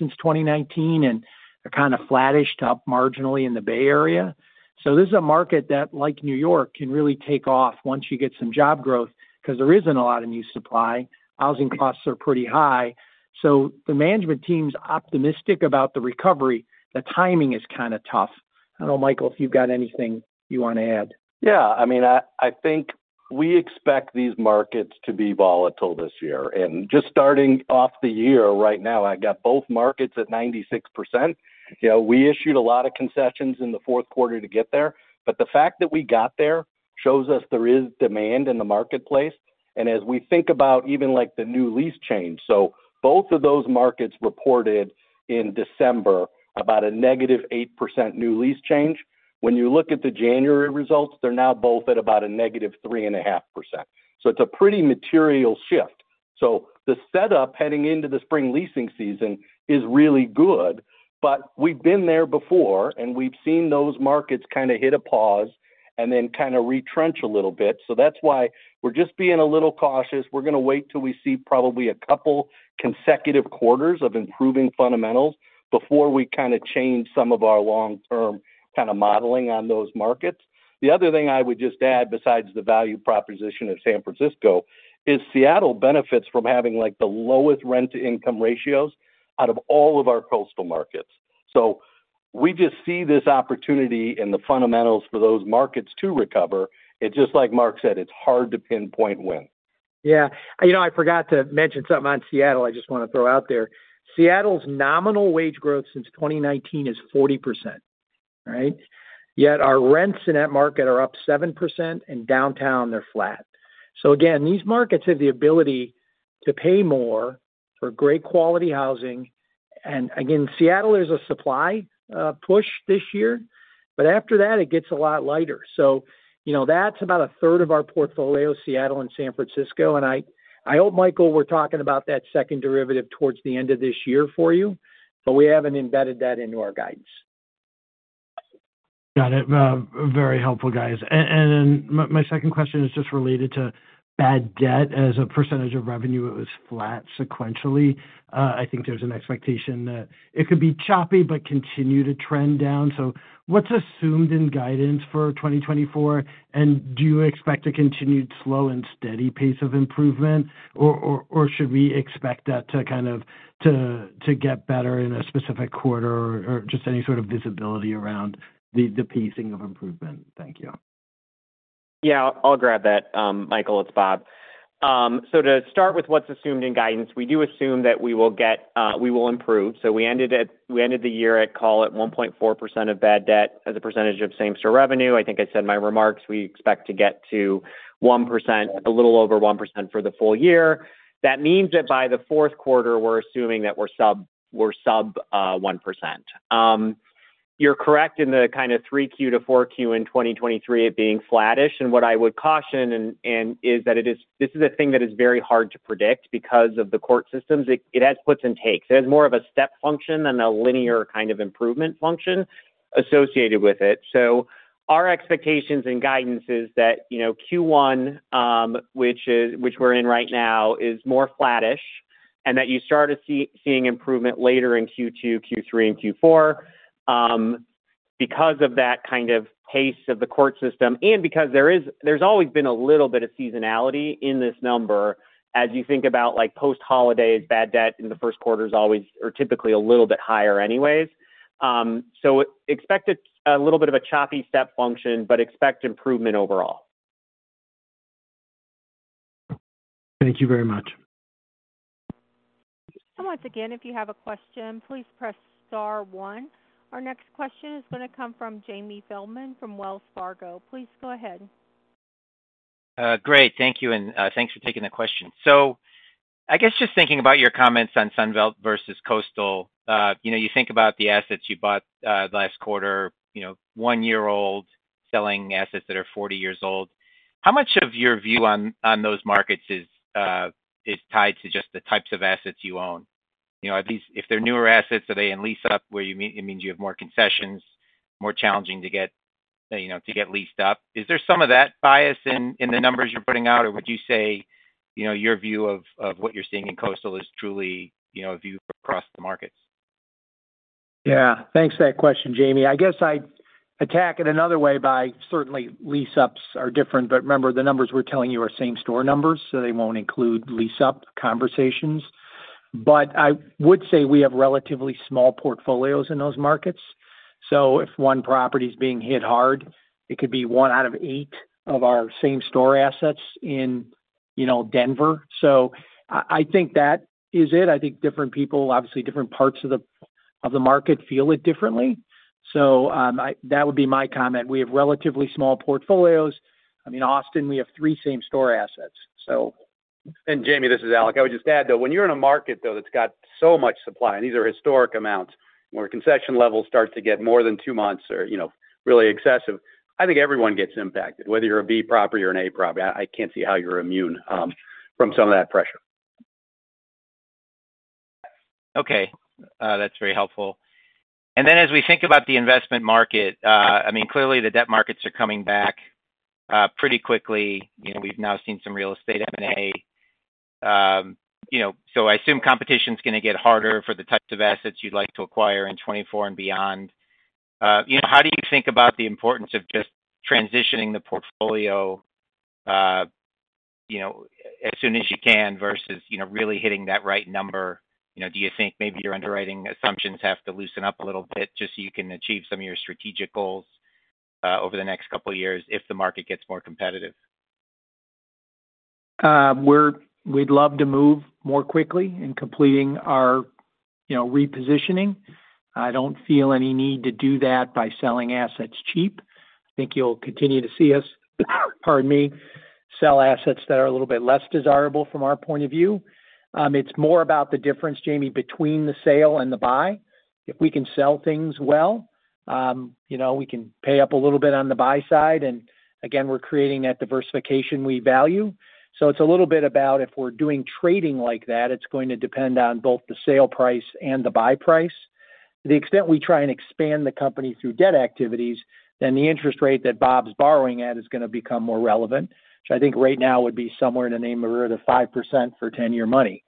since 2019, and they're kind of flattish to up marginally in the Bay Area. So this is a market that, like New York, can really take off once you get some job growth, because there isn't a lot of new supply. Housing costs are pretty high, so the management team's optimistic about the recovery. The timing is kind of tough. I don't know, Michael, if you've got anything you want to add. Yeah, I mean, I think we expect these markets to be volatile this year. Just starting off the year right now, I got both markets at 96%. You know, we issued a lot of concessions in the fourth quarter to get there, but the fact that we got there shows us there is demand in the marketplace. As we think about even, like, the new lease change, so both of those markets reported in December about a -8% new lease change. When you look at the January results, they're now both at about a -3.5%. So it's a pretty material shift. The setup heading into the spring leasing season is really good, but we've been there before, and we've seen those markets kind of hit a pause and then kind of retrench a little bit. So that's why we're just being a little cautious. We're gonna wait till we see probably a couple consecutive quarters of improving fundamentals before we kind of change some of our long-term kind of modeling on those markets. The other thing I would just add, besides the value proposition of San Francisco, is Seattle benefits from having, like, the lowest rent-to-income ratios out of all of our coastal markets. So we just see this opportunity in the fundamentals for those markets to recover. It's just like Mark said, it's hard to pinpoint when. Yeah. You know, I forgot to mention something on Seattle I just want to throw out there. Seattle's nominal wage growth since 2019 is 40%, right? Yet our rents in that market are up 7%, and downtown they're flat. So again, these markets have the ability to pay more for great quality housing. And again, Seattle is a supply push this year, but after that, it gets a lot lighter. So, you know, that's about a third of our portfolio, Seattle and San Francisco. And I, I hope, Michael, we're talking about that second derivative towards the end of this year for you, but we haven't embedded that into our guidance. Got it. Very helpful, guys. And then my second question is just related to bad debt as a percentage of revenue; it was flat sequentially. I think there's an expectation that it could be choppy but continue to trend down. So what's assumed in guidance for 2024? And do you expect a continued slow and steady pace of improvement, or should we expect that to kind of get better in a specific quarter, or just any sort of visibility around the pacing of improvement? Thank you. Yeah, I'll grab that. Michael, it's Bob. So to start with what's assumed in guidance, we do assume that we will get—we will improve. So we ended the year at, call it, 1.4% of bad debt as a percentage of same-store revenue. I think I said in my remarks, we expect to get to 1%, a little over 1% for the full year. That means that by the fourth quarter, we're assuming that we're sub 1%. You're correct in the kind of 3Q to 4Q in 2023 it being flattish. And what I would caution is that it is—this is a thing that is very hard to predict because of the court systems. It has puts and takes. It has more of a step function than a linear kind of improvement function associated with it. So our expectations and guidance is that, you know, Q1, which we're in right now, is more flattish, and that you start to see improvement later in Q2, Q3, and Q4, because of that kind of pace of the court system, and because there's always been a little bit of seasonality in this number, as you think about, like, post-holiday bad debt in the first quarter is always, or typically a little bit higher anyways. So expect it, a little bit of a choppy step function, but expect improvement overall. Thank you very much. Once again, if you have a question, please press star one. Our next question is going to come from Jamie Feldman from Wells Fargo. Please go ahead. Great. Thank you, and, thanks for taking the question. So I guess just thinking about your comments on Sun Belt versus Coastal, you know, you think about the assets you bought, last quarter, you know, 1-year-old, selling assets that are 40 years old. How much of your view on, on those markets is, is tied to just the types of assets you own? You know, are these—if they're newer assets, are they in lease-up, where you mean it means you have more concessions, more challenging to get, you know, to get leased up. Is there some of that bias in, in the numbers you're putting out, or would you say, you know, your view of, of what you're seeing in Coastal is truly, you know, a view across the markets? Yeah. Thanks for that question, Jamie. I guess I'd attack it another way by certainly lease-ups are different, but remember, the numbers we're telling you are same-store numbers, so they won't include lease-up conversations. But I would say we have relatively small portfolios in those markets, so if one property is being hit hard, it could be one out of eight of our same-store assets in, you know, Denver. So I think that is it. I think different people, obviously, different parts of the, of the market feel it differently. So, that would be my comment. We have relatively small portfolios. I mean, Austin, we have three same-store assets, so. And Jamie, this is Alec. I would just add, though, when you're in a market, though, that's got so much supply, and these are historic amounts, where concession levels start to get more than two months or, you know, really excessive, I think everyone gets impacted, whether you're a B property or an A property. I can't see how you're immune from some of that pressure. Okay, that's very helpful. And then, as we think about the investment market, I mean, clearly, the debt markets are coming back pretty quickly. You know, we've now seen some real estate M&A. You know, so I assume competition's gonna get harder for the types of assets you'd like to acquire in 2024 and beyond. You know, how do you think about the importance of just transitioning the portfolio, you know, as soon as you can, versus, you know, really hitting that right number? You know, do you think maybe your underwriting assumptions have to loosen up a little bit, just so you can achieve some of your strategic goals, over the next couple of years, if the market gets more competitive? We'd love to move more quickly in completing our, you know, repositioning. I don't feel any need to do that by selling assets cheap. I think you'll continue to see us, pardon me, sell assets that are a little bit less desirable from our point of view. It's more about the difference, Jamie, between the sale and the buy. If we can sell things well, you know, we can pay up a little bit on the buy side. And again, we're creating that diversification we value. So it's a little bit about if we're doing trading like that, it's going to depend on both the sale price and the buy price. To the extent we try and expand the company through debt activities, then the interest rate that Bob's borrowing at is gonna become more relevant, which I think right now would be somewhere in the neighborhood of 5% for 10-year money.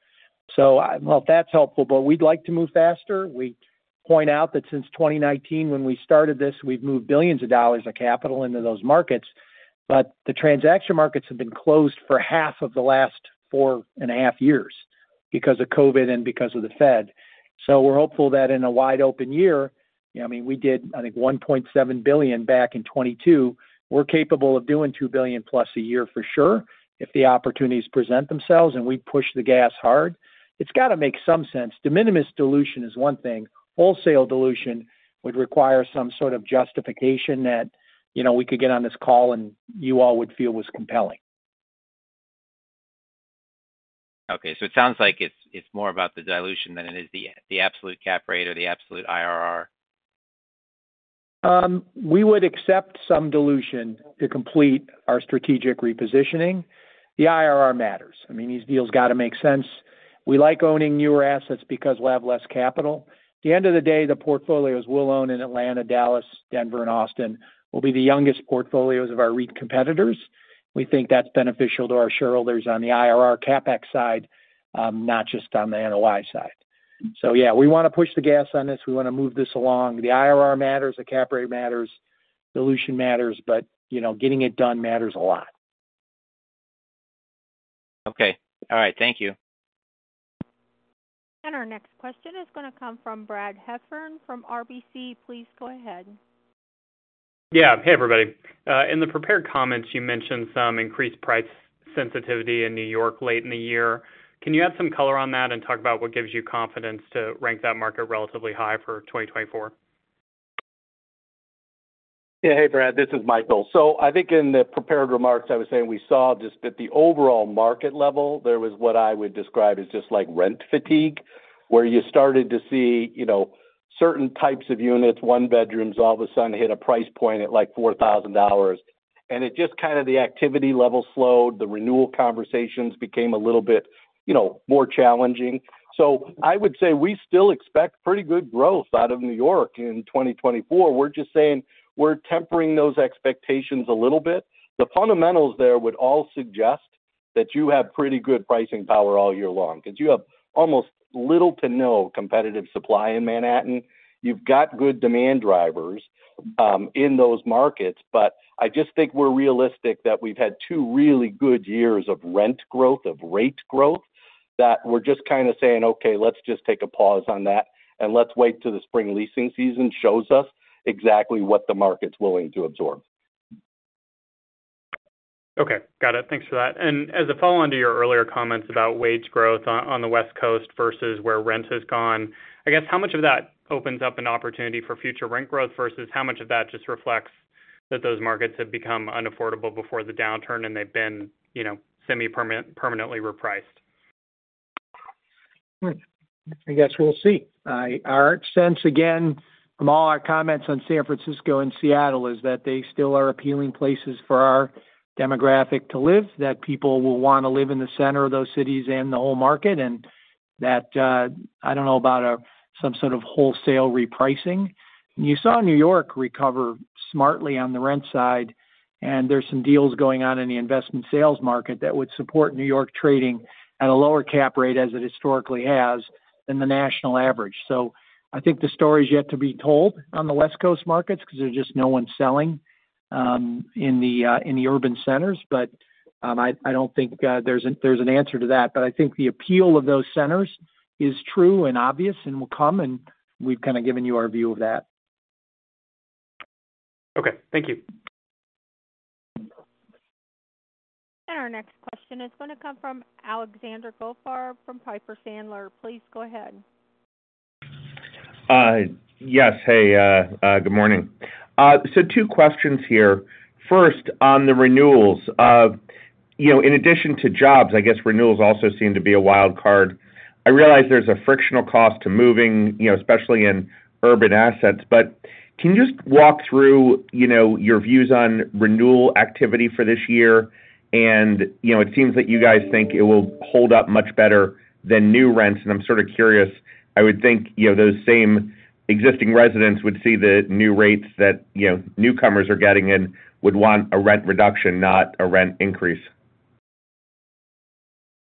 So, well, that's helpful, but we'd like to move faster. We point out that since 2019, when we started this, we've moved billions of dollars of capital into those markets, but the transaction markets have been closed for half of the last four and a half years... because of COVID and because of the Fed. So we're hopeful that in a wide open year, I mean, we did, I think, $1.7 billion back in 2022. We're capable of doing $2 billion plus a year for sure, if the opportunities present themselves, and we push the gas hard. It's got to make some sense. De minimis dilution is one thing. Wholesale dilution would require some sort of justification that, you know, we could get on this call and you all would feel was compelling. Okay, so it sounds like it's, it's more about the dilution than it is the, the absolute cap rate or the absolute IRR. We would accept some dilution to complete our strategic repositioning. The IRR matters. I mean, these deals got to make sense. We like owning newer assets because we'll have less capital. At the end of the day, the portfolios we'll own in Atlanta, Dallas, Denver, and Austin will be the youngest portfolios of our REIT competitors. We think that's beneficial to our shareholders on the IRR CapEx side, not just on the NOI side. So yeah, we want to push the gas on this. We want to move this along. The IRR matters, the cap rate matters, dilution matters, but, you know, getting it done matters a lot. Okay. All right. Thank you. Our next question is going to come from Brad Heffern from RBC. Please go ahead. Yeah. Hey, everybody. In the prepared comments, you mentioned some increased price sensitivity in New York late in the year. Can you add some color on that and talk about what gives you confidence to rank that market relatively high for 2024? Yeah. Hey, Brad, this is Michael. So I think in the prepared remarks, I was saying we saw just that the overall market level, there was what I would describe as just like rent fatigue, where you started to see, you know, certain types of units, one-bedrooms, all of a sudden hit a price point at, like, $4,000, and it just kind of the activity level slowed, the renewal conversations became a little bit, you know, more challenging. So I would say we still expect pretty good growth out of New York in 2024. We're just saying we're tempering those expectations a little bit. The fundamentals there would all suggest that you have pretty good pricing power all year long because you have almost little to no competitive supply in Manhattan. You've got good demand drivers in those markets, but I just think we're realistic that we've had two really good years of rent growth, of rate growth, that we're just kind of saying, okay, let's just take a pause on that, and let's wait till the spring leasing season shows us exactly what the market's willing to absorb. Okay, got it. Thanks for that. And as a follow-on to your earlier comments about wage growth on the West Coast versus where rent has gone, I guess, how much of that opens up an opportunity for future rent growth, versus how much of that just reflects that those markets have become unaffordable before the downturn, and they've been, you know, semi-permanently repriced? I guess we'll see. Our sense, again, from all our comments on San Francisco and Seattle, is that they still are appealing places for our demographic to live, that people will want to live in the center of those cities and the whole market, and that, I don't know about, some sort of wholesale repricing. You saw New York recover smartly on the rent side, and there's some deals going on in the investment sales market that would support New York trading at a lower cap rate as it historically has than the national average. So I think the story is yet to be told on the West Coast markets because there's just no one selling, in the, in the urban centers. But, I don't think, there's an, there's an answer to that. I think the appeal of those centers is true and obvious and will come, and we've kind of given you our view of that. Okay. Thank you. Our next question is going to come from Alexander Goldfarb from Piper Sandler. Please go ahead. Yes. Hey, good morning. So two questions here. First, on the renewals. You know, in addition to jobs, I guess renewals also seem to be a wild card. I realize there's a frictional cost to moving, you know, especially in urban assets, but can you just walk through, you know, your views on renewal activity for this year? And, you know, it seems that you guys think it will hold up much better than new rents, and I'm sort of curious. I would think, you know, those same existing residents would see the new rates that, you know, newcomers are getting and would want a rent reduction, not a rent increase.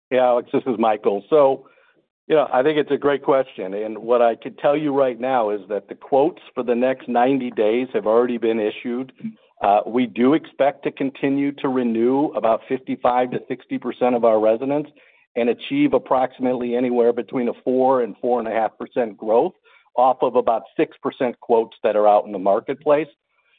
Yeah, Alex, this is Michael. So, you know, I think it's a great question, and what I could tell you right now is that the quotes for the next 90 days have already been issued. We do expect to continue to renew about 55%-60% of our residents and achieve approximately anywhere between a 4%-4.5% growth, off of about 6% quotes that are out in the marketplace.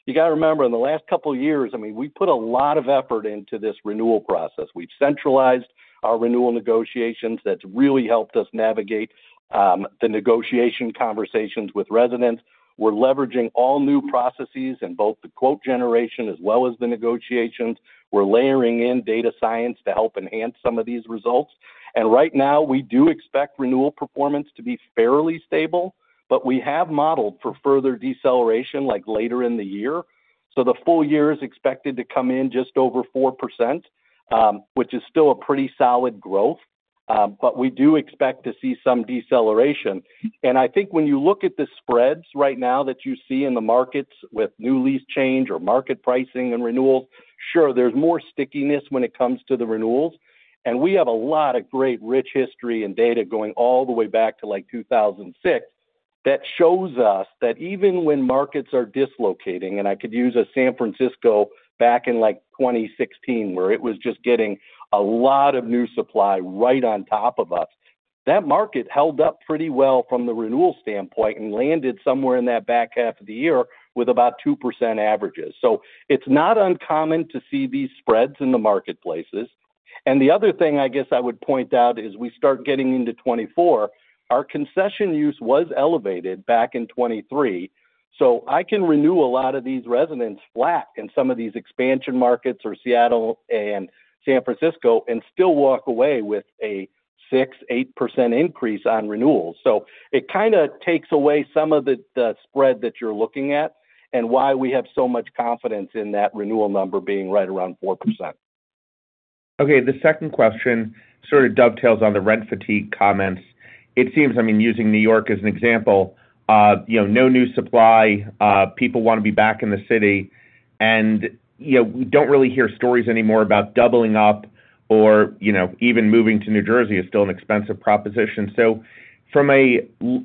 You got to remember, in the last couple of years, I mean, we put a lot of effort into this renewal process. We've centralized our renewal negotiations. That's really helped us navigate the negotiation conversations with residents. We're leveraging all new processes in both the quote generation as well as the negotiations. We're layering in data science to help enhance some of these results. Right now, we do expect renewal performance to be fairly stable, but we have modeled for further deceleration, like, later in the year. So the full year is expected to come in just over 4%, which is still a pretty solid growth. But we do expect to see some deceleration. And I think when you look at the spreads right now that you see in the markets with new lease change or market pricing and renewals, sure, there's more stickiness when it comes to the renewals. And we have a lot of great rich history and data going all the way back to, like, 2006. That shows us that even when markets are dislocating, and I could use a San Francisco back in, like, 2016, where it was just getting a lot of new supply right on top of us, that market held up pretty well from the renewal standpoint and landed somewhere in that back half of the year with about 2% averages. So it's not uncommon to see these spreads in the marketplaces. The other thing I guess I would point out, as we start getting into 2024, our concession use was elevated back in 2023, so I can renew a lot of these residents flat in some of these expansion markets, or Seattle and San Francisco, and still walk away with a 6%-8% increase on renewals. So it kind of takes away some of the spread that you're looking at and why we have so much confidence in that renewal number being right around 4%. Okay, the second question sort of dovetails on the rent fatigue comments. It seems, I mean, using New York as an example, you know, no new supply, people wanna be back in the city, and, you know, we don't really hear stories anymore about doubling up or, you know, even moving to New Jersey is still an expensive proposition. So from a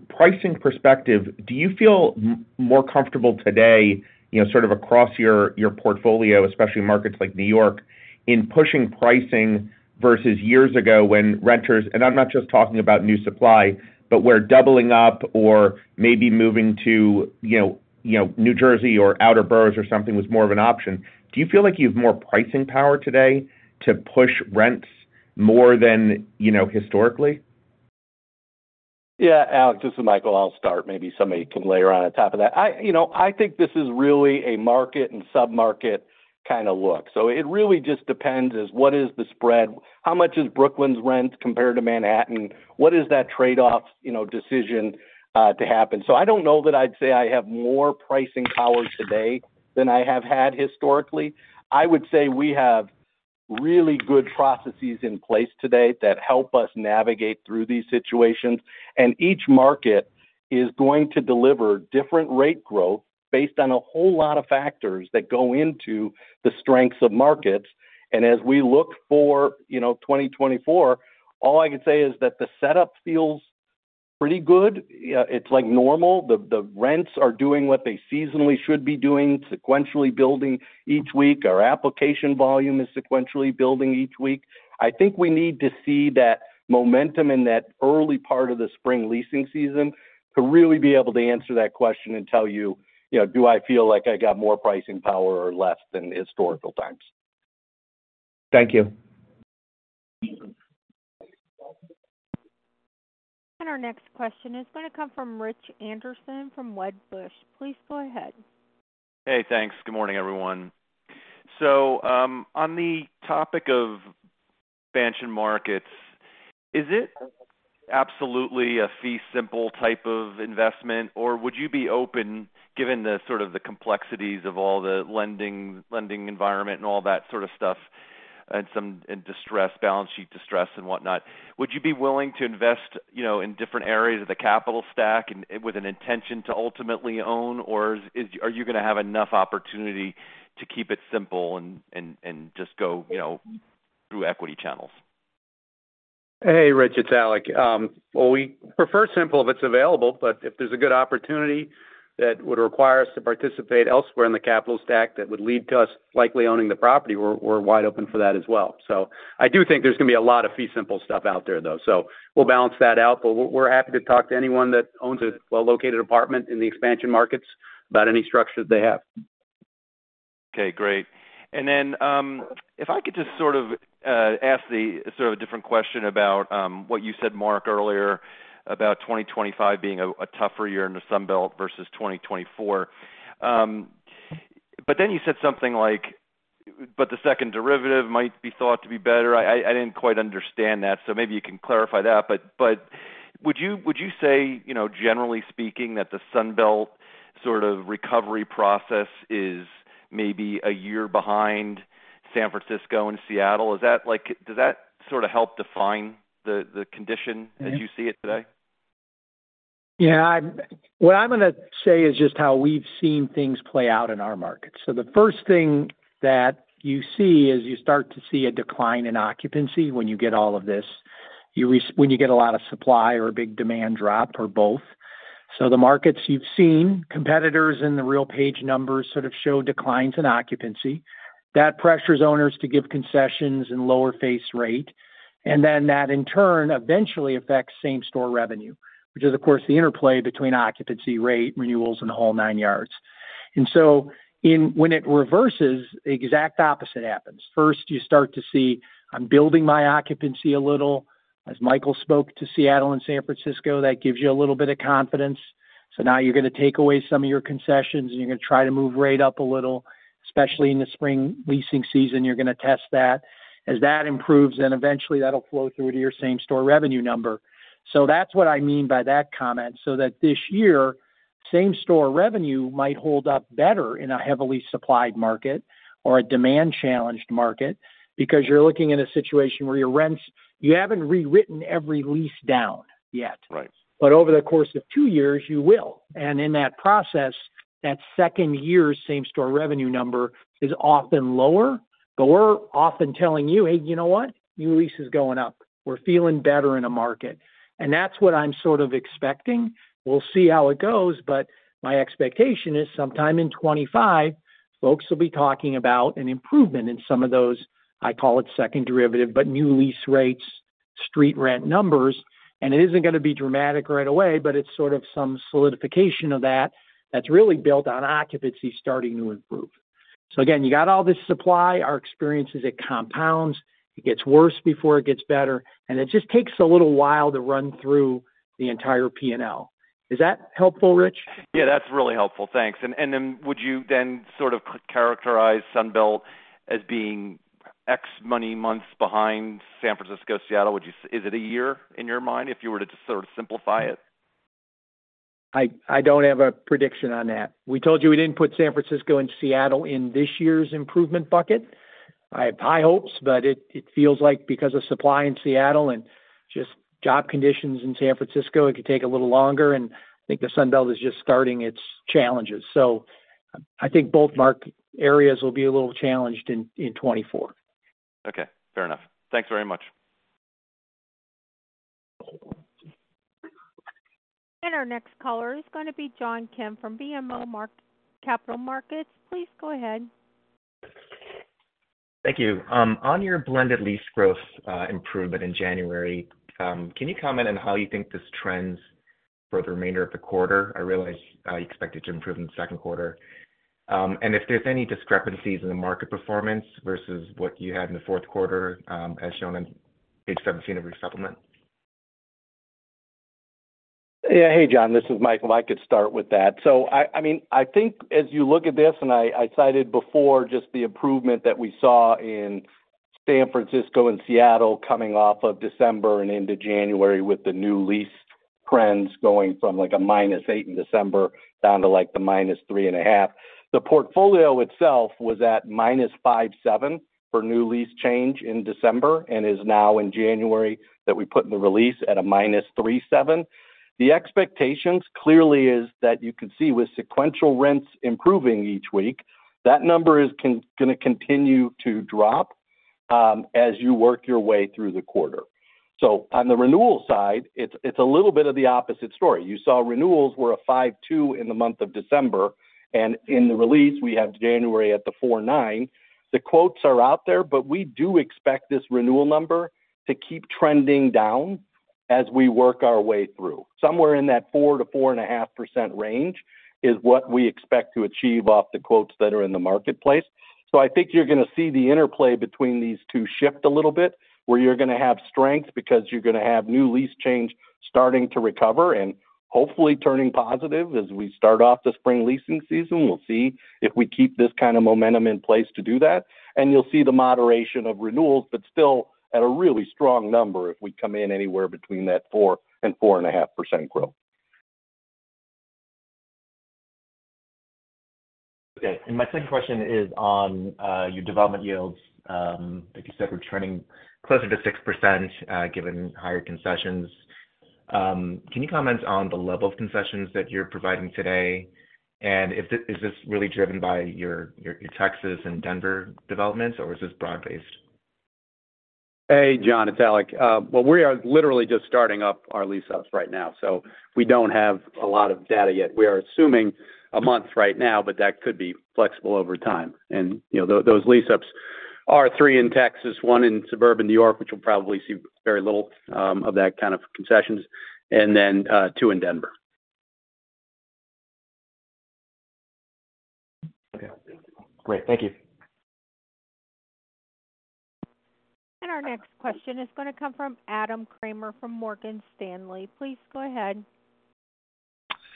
pricing perspective, do you feel more comfortable today, you know, sort of across your, your portfolio, especially markets like New York, in pushing pricing versus years ago when renters... I'm not just talking about new supply, but where doubling up or maybe moving to, you know, you know, New Jersey or outer boroughs or something was more of an option. Do you feel like you have more pricing power today to push rents more than, you know, historically? Yeah, Alex, this is Michael. I'll start, maybe somebody can layer on top of that. You know, I think this is really a market and submarket kind of look. So it really just depends is what is the spread? How much is Brooklyn's rent compared to Manhattan? What is that trade-off, you know, decision to happen? So I don't know that I'd say I have more pricing power today than I have had historically. I would say we have really good processes in place today that help us navigate through these situations, and each market is going to deliver different rate growth based on a whole lot of factors that go into the strengths of markets. And as we look for, you know, 2024, all I can say is that the setup feels pretty good. It's like normal. The rents are doing what they seasonally should be doing, sequentially building each week. Our application volume is sequentially building each week. I think we need to see that momentum in that early part of the spring leasing season to really be able to answer that question and tell you, you know, do I feel like I got more pricing power or less than historical times? Thank you. Our next question is gonna come from Rich Anderson from Wedbush. Please go ahead. Hey, thanks. Good morning, everyone. So, on the topic of expansion markets, is it absolutely a fee simple type of investment, or would you be open, given the sort of the complexities of all the lending, lending environment and all that sort of stuff, and some... and distress, balance sheet distress and whatnot, would you be willing to invest, you know, in different areas of the capital stack and with an intention to ultimately own? Or is, are you gonna have enough opportunity to keep it simple and, and, and just go, you know, through equity channels? Hey, Rich, it's Alec. Well, we prefer simple if it's available, but if there's a good opportunity that would require us to participate elsewhere in the capital stack, that would lead to us likely owning the property, we're wide open for that as well. So I do think there's gonna be a lot of fee simple stuff out there, though, so we'll balance that out. But we're happy to talk to anyone that owns a well-located apartment in the expansion markets about any structure that they have. Okay, great. And then, if I could just sort of, ask the, sort of a different question about, what you said, Mark, earlier about 2025 being a, a tougher year in the Sun Belt versus 2024. But then you said something like, "But the second derivative might be thought to be better." I, I, I didn't quite understand that, so maybe you can clarify that. But, but would you, would you say, you know, generally speaking, that the Sun Belt sort of recovery process is maybe a year behind San Francisco and Seattle? Is that, like-- Does that sort of help define the, the condition- Mm-hmm... as you see it today? Yeah, what I'm gonna say is just how we've seen things play out in our market. So the first thing that you see is you start to see a decline in occupancy when you get a lot of supply or a big demand drop or both. So the markets you've seen, competitors in the RealPage numbers sort of show declines in occupancy. That pressures owners to give concessions and lower face rate, and then that, in turn, eventually affects same-store revenue, which is, of course, the interplay between occupancy, rate, renewals, and the whole nine yards. And so when it reverses, the exact opposite happens. First, you start to see, "I'm building my occupancy a little." As Michael spoke to Seattle and San Francisco, that gives you a little bit of confidence. So now you're gonna take away some of your concessions, and you're gonna try to move rate up a little, especially in the spring leasing season. You're gonna test that. As that improves, then eventually that'll flow through to your Same-Store Revenue number. So that's what I mean by that comment, so that this year, Same-Store Revenue might hold up better in a heavily supplied market or a demand-challenged market because you're looking at a situation where your rents, you haven't rewritten every lease down yet. Right. But over the course of two years, you will. And in that process, that second year same-store revenue number is often lower. But we're often telling you, "Hey, you know what? New lease is going up. We're feeling better in a market." And that's what I'm sort of expecting. We'll see how it goes, but my expectation is sometime in 2025, folks will be talking about an improvement in some of those, I call it second derivative, but new lease rates, street rent numbers, and it isn't gonna be dramatic right away, but it's sort of some solidification of that, that's really built on occupancy starting to improve. So again, you got all this supply. Our experience is it compounds. It gets worse before it gets better, and it just takes a little while to run through the entire P&L. Is that helpful, Rich? Yeah, that's really helpful. Thanks. And, and then would you then sort of characterize Sun Belt as being X money months behind San Francisco, Seattle? Would you— Is it a year in your mind, if you were to just sort of simplify it? I don't have a prediction on that. We told you we didn't put San Francisco and Seattle in this year's improvement bucket. I have high hopes, but it feels like because of supply in Seattle and just job conditions in San Francisco, it could take a little longer, and I think the Sun Belt is just starting its challenges. So I think both market areas will be a little challenged in 2024. Okay, fair enough. Thanks very much. Our next caller is going to be John Kim from BMO Capital Markets. Please go ahead. Thank you. On your blended lease growth, improvement in January, can you comment on how you think this trends for the remainder of the quarter? I realize, you expect it to improve in the second quarter. If there's any discrepancies in the market performance versus what you had in the fourth quarter, as shown on page 17 of your supplement. Yeah. Hey, John, this is Michael. I could start with that. So I mean, I think as you look at this, and I cited before just the improvement that we saw in San Francisco and Seattle coming off of December and into January with the new lease trends going from, like, a -8% in December down to, like, the -3.5%. The portfolio itself was at -5.7% for new lease change in December and is now in January, that we put in the release, at a -3.7%. The expectations clearly is that you can see with sequential rents improving each week, that number is gonna continue to drop, as you work your way through the quarter. So on the renewal side, it's a little bit of the opposite story. You saw renewals were 5.2% in the month of December, and in the release, we have January at 4.9%. The quotes are out there, but we do expect this renewal number to keep trending down as we work our way through. Somewhere in that 4%-4.5% range is what we expect to achieve off the quotes that are in the marketplace. So I think you're gonna have the interplay between these two shift a little bit, where you're gonna have strength because you're gonna have new lease change starting to recover and hopefully turning positive as we start off the spring leasing season. We'll see if we keep this kind of momentum in place to do that, and you'll see the moderation of renewals, but still at a really strong number if we come in anywhere between that 4% and 4.5% growth. Okay, and my second question is on your development yields. Like you said, we're trending closer to 6%, given higher concessions. Can you comment on the level of concessions that you're providing today? And if this is really driven by your Texas and Denver developments, or is this broad-based? Hey, John, it's Alec. Well, we are literally just starting up our lease-ups right now, so we don't have a lot of data yet. We are assuming a month right now, but that could be flexible over time. You know, those lease-ups are three in Texas, one in suburban New York, which will probably see very little of that kind of concessions, and then two in Denver. Okay, great. Thank you. Our next question is going to come from Adam Kramer from Morgan Stanley. Please go ahead.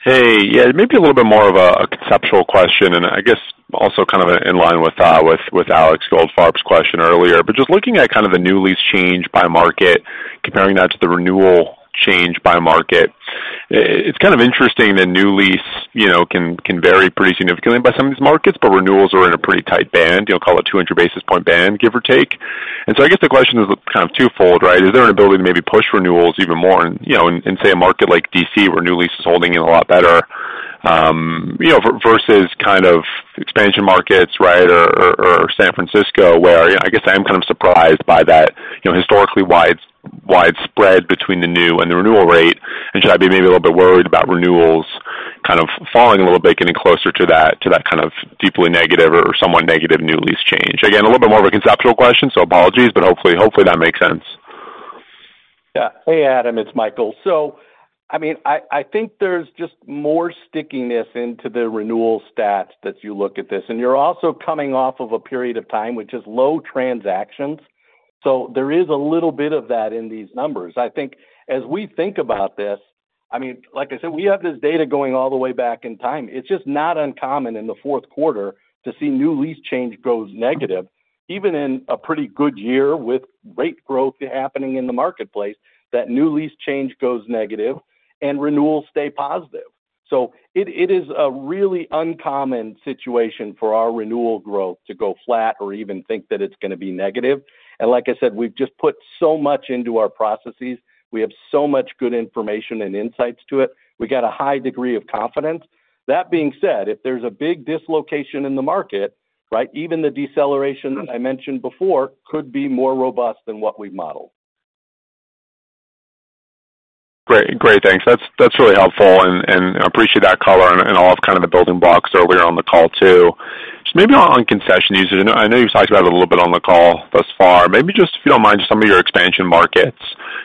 Hey. Yeah, it may be a little bit more of a conceptual question, and I guess also kind of in line with Alex Goldfarb's question earlier. But just looking at kind of the new lease change by market, comparing that to the renewal change by market, it's kind of interesting that new lease, you know, can vary pretty significantly by some of these markets, but renewals are in a pretty tight band, you know, call it 200 basis point band, give or take. And so I guess the question is kind of twofold, right? Is there an ability to maybe push renewals even more in, you know, in, say, a market like D.C., where new lease is holding in a lot better, you know, versus kind of expansion markets, right, or San Francisco, where I guess I'm kind of surprised by that, you know, historically widespread between the new and the renewal rate. And should I be maybe a little bit worried about renewals kind of falling a little bit, getting closer to that, to that kind of deeply negative or somewhat negative new lease change? Again, a little bit more of a conceptual question, so apologies, but hopefully, hopefully that makes sense. Yeah. Hey, Adam, it's Michael. So, I mean, I think there's just more stickiness into the renewal stats as you look at this, and you're also coming off of a period of time, which is low transactions. So there is a little bit of that in these numbers. I think as we think about this, I mean, like I said, we have this data going all the way back in time. It's just not uncommon in the fourth quarter to see new lease change goes negative. Even in a pretty good year with rate growth happening in the marketplace, that new lease change goes negative and renewals stay positive. So it is a really uncommon situation for our renewal growth to go flat or even think that it's gonna be negative. And like I said, we've just put so much into our processes. We have so much good information and insights to it. We've got a high degree of confidence. That being said, if there's a big dislocation in the market, right, even the deceleration that I mentioned before, could be more robust than what we've modeled. Great. Great, thanks. That's, that's really helpful, and, and I appreciate that color and, and all of kind of the building blocks earlier on the call, too. Just maybe on, on concession use, I know you've talked about it a little bit on the call thus far. Maybe just, if you don't mind, just some of your expansion markets,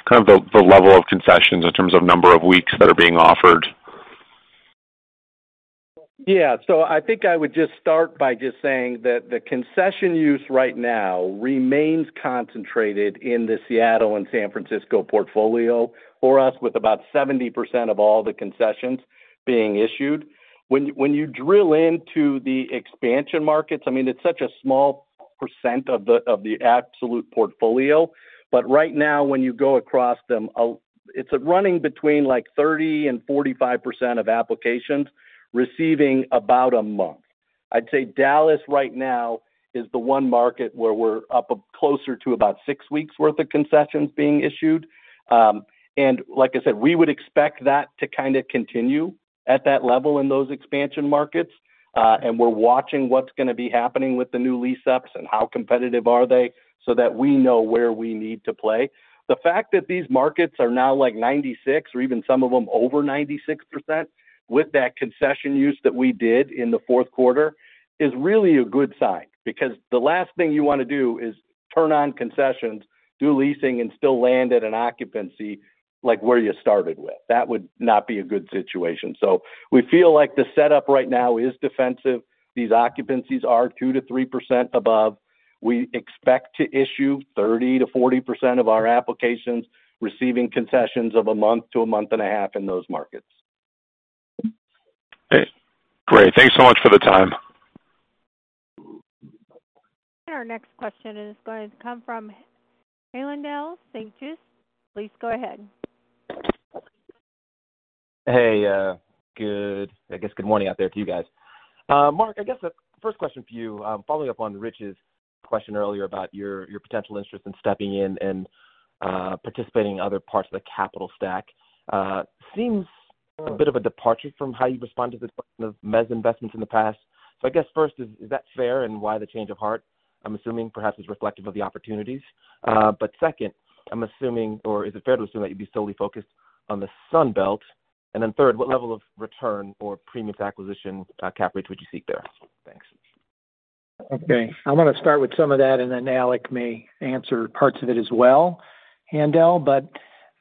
kind of the, the level of concessions in terms of number of weeks that are being offered. Yeah. So I think I would just start by just saying that the concession use right now remains concentrated in the Seattle and San Francisco portfolio for us, with about 70% of all the concessions being issued. When you drill into the expansion markets, I mean, it's such a small percent of the absolute portfolio, but right now, when you go across them, it's running between, like, 30% and 45% of applications receiving about a month. I'd say Dallas right now is the one market where we're up closer to about six weeks worth of concessions being issued. And like I said, we would expect that to kind of continue at that level in those expansion markets. And we're watching what's going to be happening with the new lease-ups and how competitive are they, so that we know where we need to play. The fact that these markets are now, like, 96% or even some of them over 96%, with that concession use that we did in the fourth quarter, is really a good sign. Because the last thing you want to do is turn on concessions, do leasing, and still land at an occupancy, like, where you started with. That would not be a good situation. So we feel like the setup right now is defensive. These occupancies are 2%-3% above. We expect to issue 30%-40% of our applications, receiving concessions of a month to a month and a half in those markets. Great. Thanks so much for the time. Our next question is going to come from Haendel St. Juste. Please go ahead. Hey, I guess good morning out there to you guys. Mark, I guess the first question for you, following up on Rich's question earlier about your, your potential interest in stepping in and participating in other parts of the capital stack. Seems a bit of a departure from how you've responded to this question of mezz investments in the past. So I guess first, is, is that fair? And why the change of heart? I'm assuming perhaps it's reflective of the opportunities. But second, I'm assuming, or is it fair to assume that you'd be solely focused on the Sun Belt? And then third, what level of return or premium to acquisition cap rates would you seek there? Thanks. Okay, I want to start with some of that, and then Alec may answer parts of it as well, Haendel. But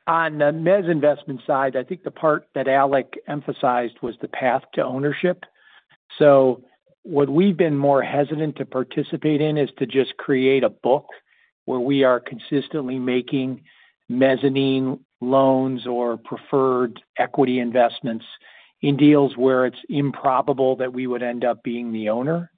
on the mezz investment side, I think the part that Alec emphasized was the path to ownership. So what we've been more hesitant to participate in is to just create a book where we are consistently making mezzanine loans or preferred equity investments in deals where it's improbable that we would end up being the owner.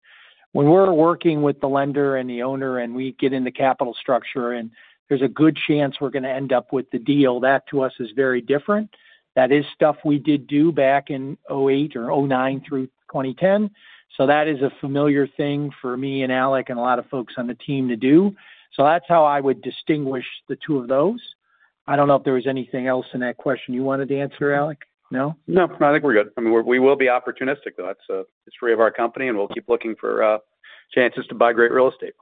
When we're working with the lender and the owner, and we get in the capital structure, and there's a good chance we're going to end up with the deal, that, to us, is very different. That is stuff we did do back in 2008 or 2009 through 2010. So that is a familiar thing for me and Alec and a lot of folks on the team to do. So that's how I would distinguish the two of those. I don't know if there was anything else in that question you wanted to answer, Alec? No? No, I think we're good. I mean, we will be opportunistic, though. That's, the history of our company, and we'll keep looking for, chances to buy great real estate.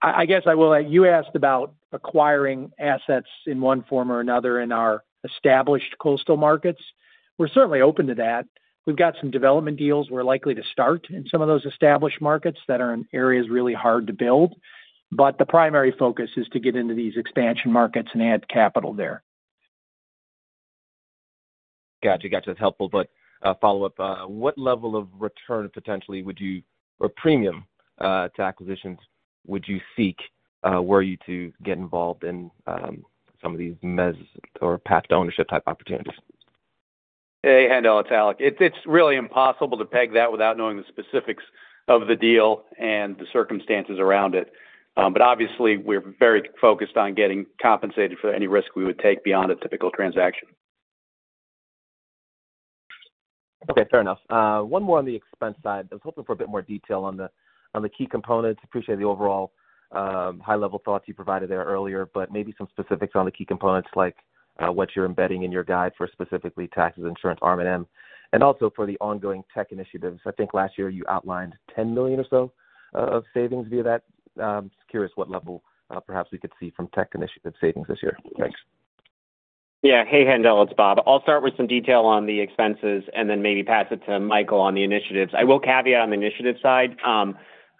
I, I guess I will add, you asked about acquiring assets in one form or another in our established coastal markets. We're certainly open to that. We've got some development deals we're likely to start in some of those established markets that are in areas really hard to build, but the primary focus is to get into these expansion markets and add capital there. Gotcha. Gotcha, that's helpful. But, follow-up, what level of return potentially would you... or premium, to acquisitions would you seek, were you to get involved in, some of these mezz or path to ownership type opportunities? Hey, Haendel, it's Alec. It's really impossible to peg that without knowing the specifics of the deal and the circumstances around it. But obviously we're very focused on getting compensated for any risk we would take beyond a typical transaction. Okay, fair enough. One more on the expense side. I was hoping for a bit more detail on the key components. Appreciate the overall high-level thoughts you provided there earlier, but maybe some specifics on the key components, like what you're embedding in your guide for specifically taxes, insurance, R&M, and also for the ongoing tech initiatives. I think last year you outlined $10 million or so of savings via that. Just curious what level perhaps we could see from tech initiative savings this year. Thanks. Yeah. Hey, Haendel, it's Bob. I'll start with some detail on the expenses and then maybe pass it to Michael on the initiatives. I will caveat on the initiative side.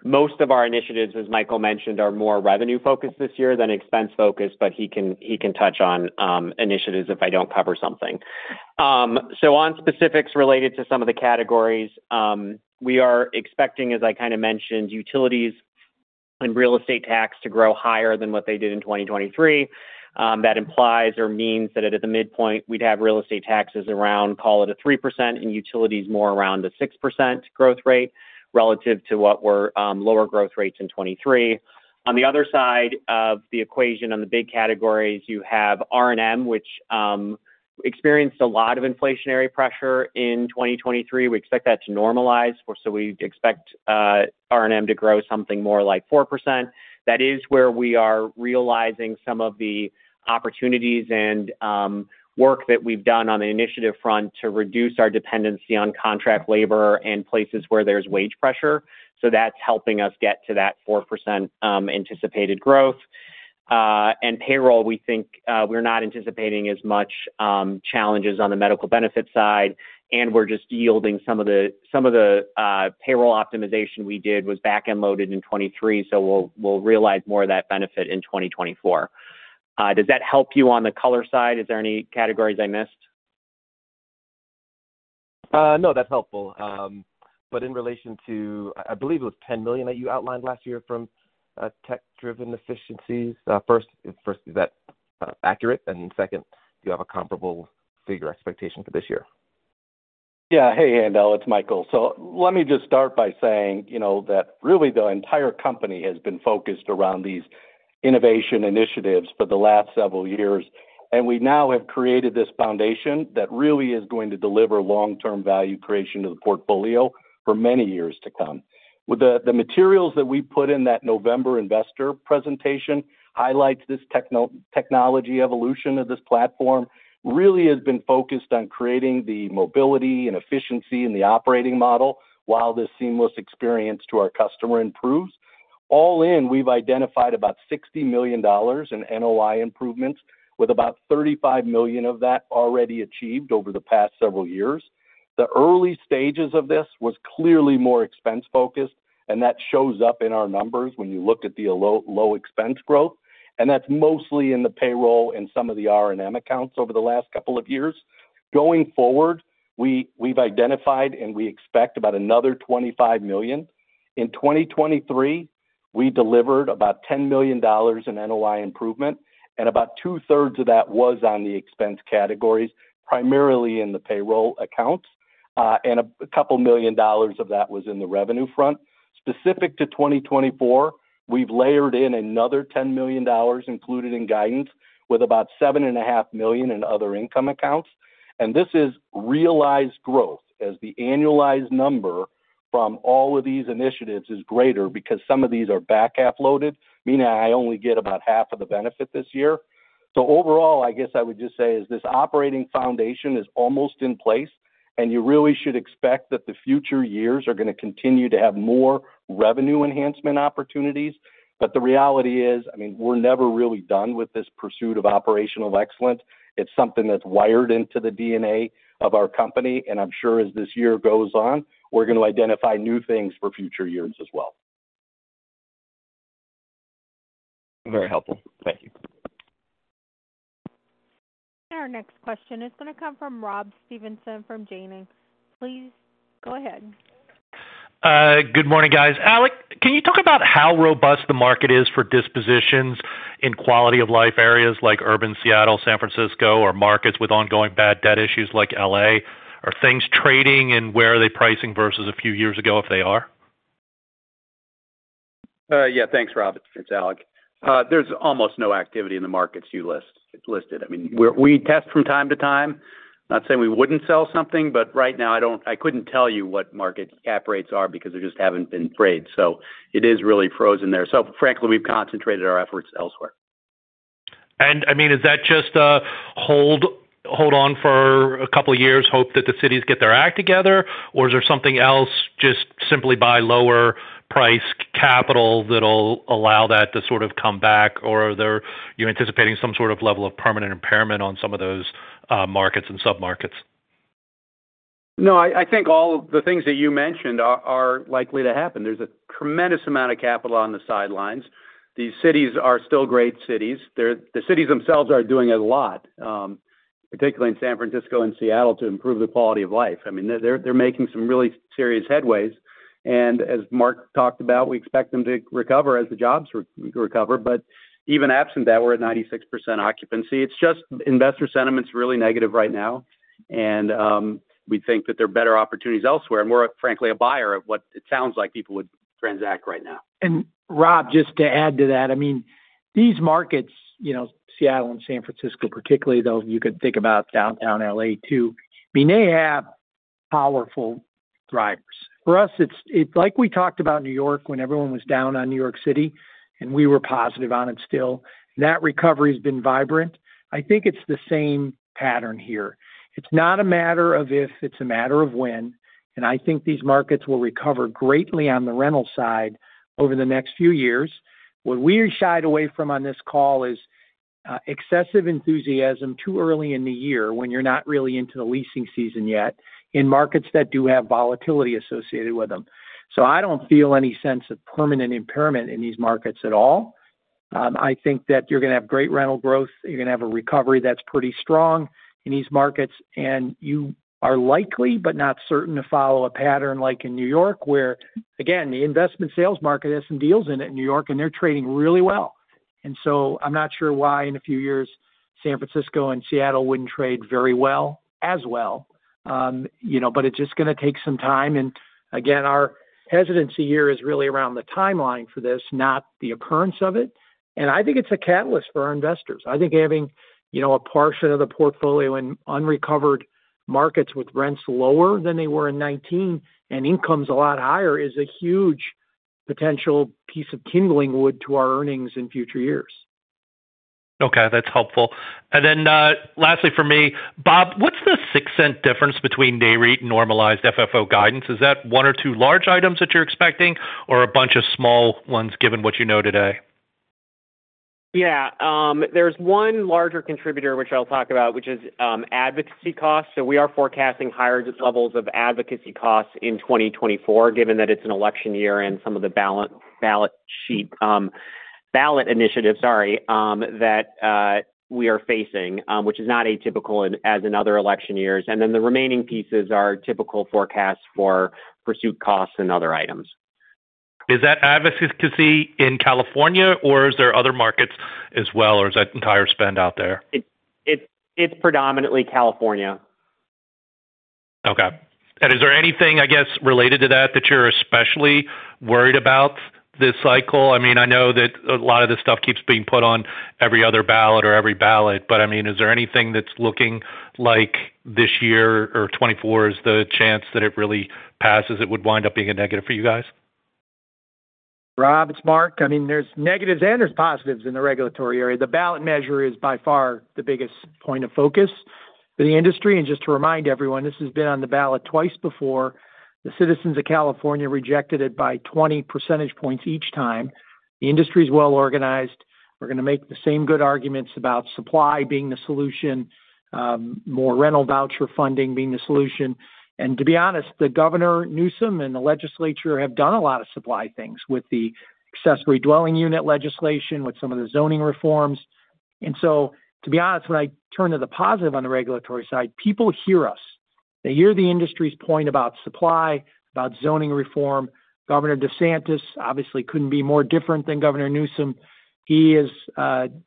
Most of our initiatives, as Michael mentioned, are more revenue focused this year than expense focused, but he can, he can touch on initiatives if I don't cover something. So on specifics related to some of the categories, we are expecting, as I kind of mentioned, utilities and real estate tax to grow higher than what they did in 2023. That implies or means that at the midpoint, we'd have real estate taxes around, call it a 3%, and utilities more around a 6% growth rate, relative to what were lower growth rates in 2023. On the other side of the equation, on the big categories, you have R&M, which experienced a lot of inflationary pressure in 2023. We expect that to normalize, so we expect R&M to grow something more like 4%. That is where we are realizing some of the opportunities and work that we've done on the initiative front to reduce our dependency on contract labor and places where there's wage pressure. So that's helping us get to that 4% anticipated growth. And payroll, we think, we're not anticipating as much challenges on the medical benefits side, and we're just yielding some of the payroll optimization we did was back-end loaded in 2023, so we'll realize more of that benefit in 2024. Does that help you on the color side? Is there any categories I missed? No, that's helpful. But in relation to, I believe it was $10 million that you outlined last year from tech-driven efficiencies. First, is that accurate? And second, do you have a comparable figure expectation for this year? Yeah. Hey, Haendel, it's Michael. So let me just start by saying, you know, that really the entire company has been focused around these innovation initiatives for the last several years, and we now have created this foundation that really is going to deliver long-term value creation to the portfolio for many years to come. With the materials that we put in that November investor presentation, highlights this technology evolution of this platform, really has been focused on creating the mobility and efficiency in the operating model, while this seamless experience to our customer improves. All in, we've identified about $60 million in NOI improvements, with about $35 million of that already achieved over the past several years. The early stages of this was clearly more expense-focused, and that shows up in our numbers when you look at the low, low expense growth, and that's mostly in the payroll and some of the R&M accounts over the last couple of years. Going forward, we've identified, and we expect about another $25 million. In 2023, we delivered about $10 million in NOI improvement, and about 2/3 of that was on the expense categories, primarily in the payroll accounts, and $2 million of that was in the revenue front. Specific to 2024, we've layered in another $10 million included in guidance, with about $7.5 million in other income accounts. This is realized growth, as the annualized number from all of these initiatives is greater because some of these are back-half loaded, meaning I only get about half of the benefit this year. So overall, I guess I would just say is this operating foundation is almost in place, and you really should expect that the future years are gonna continue to have more revenue enhancement opportunities. The reality is, I mean, we're never really done with this pursuit of operational excellence. It's something that's wired into the DNA of our company, and I'm sure as this year goes on, we're gonna identify new things for future years as well. Very helpful. Thank you. Our next question is gonna come from Rob Stevenson from Janney. Please go ahead. Good morning, guys. Alec, can you talk about how robust the market is for dispositions in quality of life areas like urban Seattle, San Francisco, or markets with ongoing bad debt issues like LA? Are things trading, and where are they pricing versus a few years ago if they are? Yeah. Thanks, Rob. It's Alec. There's almost no activity in the markets you listed. I mean, we test from time to time. Not saying we wouldn't sell something, but right now I couldn't tell you what market cap rates are because they just haven't been traded, so it is really frozen there. So frankly, we've concentrated our efforts elsewhere. I mean, is that just a hold on for a couple of years, hope that the cities get their act together, or is there something else, just simply buy lower priced capital that'll allow that to sort of come back, or are there... You're anticipating some sort of level of permanent impairment on some of those, markets and submarkets? No, I think all of the things that you mentioned are likely to happen. There's a tremendous amount of capital on the sidelines. These cities are still great cities. They're the cities themselves are doing a lot, particularly in San Francisco and Seattle, to improve the quality of life. I mean, they're making some really serious headways. And as Mark talked about, we expect them to recover as the jobs recover. But even absent that, we're at 96% occupancy. It's just investor sentiment's really negative right now, and we think that there are better opportunities elsewhere, and we're, frankly, a buyer of what it sounds like people would transact right now. And Rob, just to add to that, I mean, these markets, you know, Seattle and San Francisco, particularly, though, you could think about downtown LA, too, I mean, they have powerful drivers. For us, it's like we talked about New York when everyone was down on New York City, and we were positive on it still, that recovery has been vibrant. I think it's the same pattern here. It's not a matter of if, it's a matter of when, and I think these markets will recover greatly on the rental side over the next few years. What we shied away from on this call is excessive enthusiasm too early in the year when you're not really into the leasing season yet in markets that do have volatility associated with them. So I don't feel any sense of permanent impairment in these markets at all. I think that you're gonna have great rental growth, you're gonna have a recovery that's pretty strong in these markets, and you are likely, but not certain, to follow a pattern like in New York, where, again, the investment sales market has some deals in it, in New York, and they're trading really well. And so I'm not sure why, in a few years, San Francisco and Seattle wouldn't trade very well, as well. You know, but it's just gonna take some time, and again, our hesitancy here is really around the timeline for this, not the occurrence of it. And I think it's a catalyst for our investors. I think having, you know, a portion of the portfolio in unrecovered markets with rents lower than they were in 2019 and incomes a lot higher, is a huge potential piece of kindling wood to our earnings in future years. Okay, that's helpful. And then, lastly for me, Bob, what's the $0.06 difference between Nareit and normalized FFO guidance? Is that one or two large items that you're expecting, or a bunch of small ones, given what you know today? Yeah, there's one larger contributor, which I'll talk about, which is advocacy costs. So we are forecasting higher levels of advocacy costs in 2024, given that it's an election year and some of the ballot initiatives, sorry, that we are facing, which is not atypical as in other election years. Then the remaining pieces are typical forecasts for pursuit costs and other items. Is that advocacy in California, or is there other markets as well, or is that entire spend out there? It's predominantly California. Okay. And is there anything, I guess, related to that, that you're especially worried about this cycle? I mean, I know that a lot of this stuff keeps being put on every other ballot or every ballot, but, I mean, is there anything that's looking like this year or 2024, is the chance that it really passes, it would wind up being a negative for you guys? Rob, it's Mark. I mean, there's negatives and there's positives in the regulatory area. The ballot measure is by far the biggest point of focus for the industry. Just to remind everyone, this has been on the ballot twice before. The citizens of California rejected it by 20 percentage points each time. The industry is well organized. We're gonna make the same good arguments about supply being the solution, more rental voucher funding being the solution. To be honest, the Governor Newsom and the legislature have done a lot of supply things with the accessory dwelling unit legislation, with some of the zoning reforms. So, to be honest, when I turn to the positive on the regulatory side, people hear us. They hear the industry's point about supply, about zoning reform. Governor DeSantis obviously couldn't be more different than Governor Newsom. He has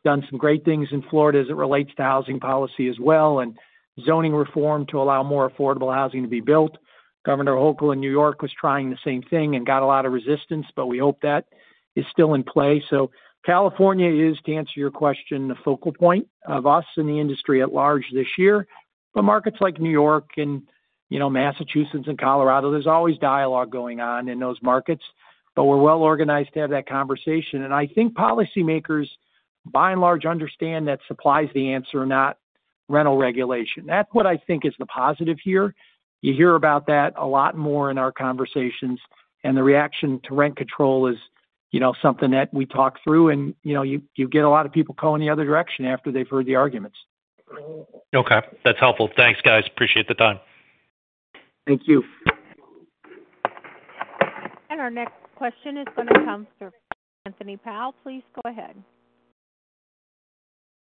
done some great things in Florida as it relates to housing policy as well, and zoning reform to allow more affordable housing to be built. Governor Hochul in New York was trying the same thing and got a lot of resistance, but we hope that is still in play. So California is, to answer your question, the focal point of us and the industry at large this year. But markets like New York and, you know, Massachusetts and Colorado, there's always dialogue going on in those markets, but we're well organized to have that conversation. And I think policymakers, by and large, understand that supply is the answer, not rental regulation. That's what I think is the positive here. You hear about that a lot more in our conversations, and the reaction to rent control is, you know, something that we talk through and, you know, you get a lot of people going the other direction after they've heard the arguments. Okay, that's helpful. Thanks, guys. Appreciate the time. Thank you. Our next question is going to come from Anthony Powell. Please go ahead.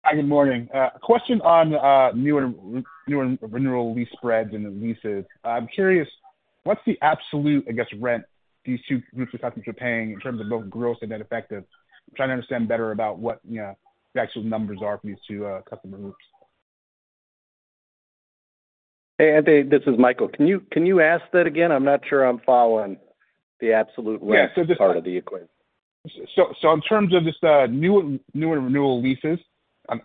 Hi, good morning. A question on new and renewal lease spreads and the leases. I'm curious, what's the absolute, I guess, rent these two groups of customers are paying in terms of both gross and net effective? I'm trying to understand better about what, you know, the actual numbers are for these two customer groups. Hey, Anthony, this is Michael. Can you, can you ask that again? I'm not sure I'm following the absolute rent- Yeah. part of the equation. So, in terms of just new and renewal leases,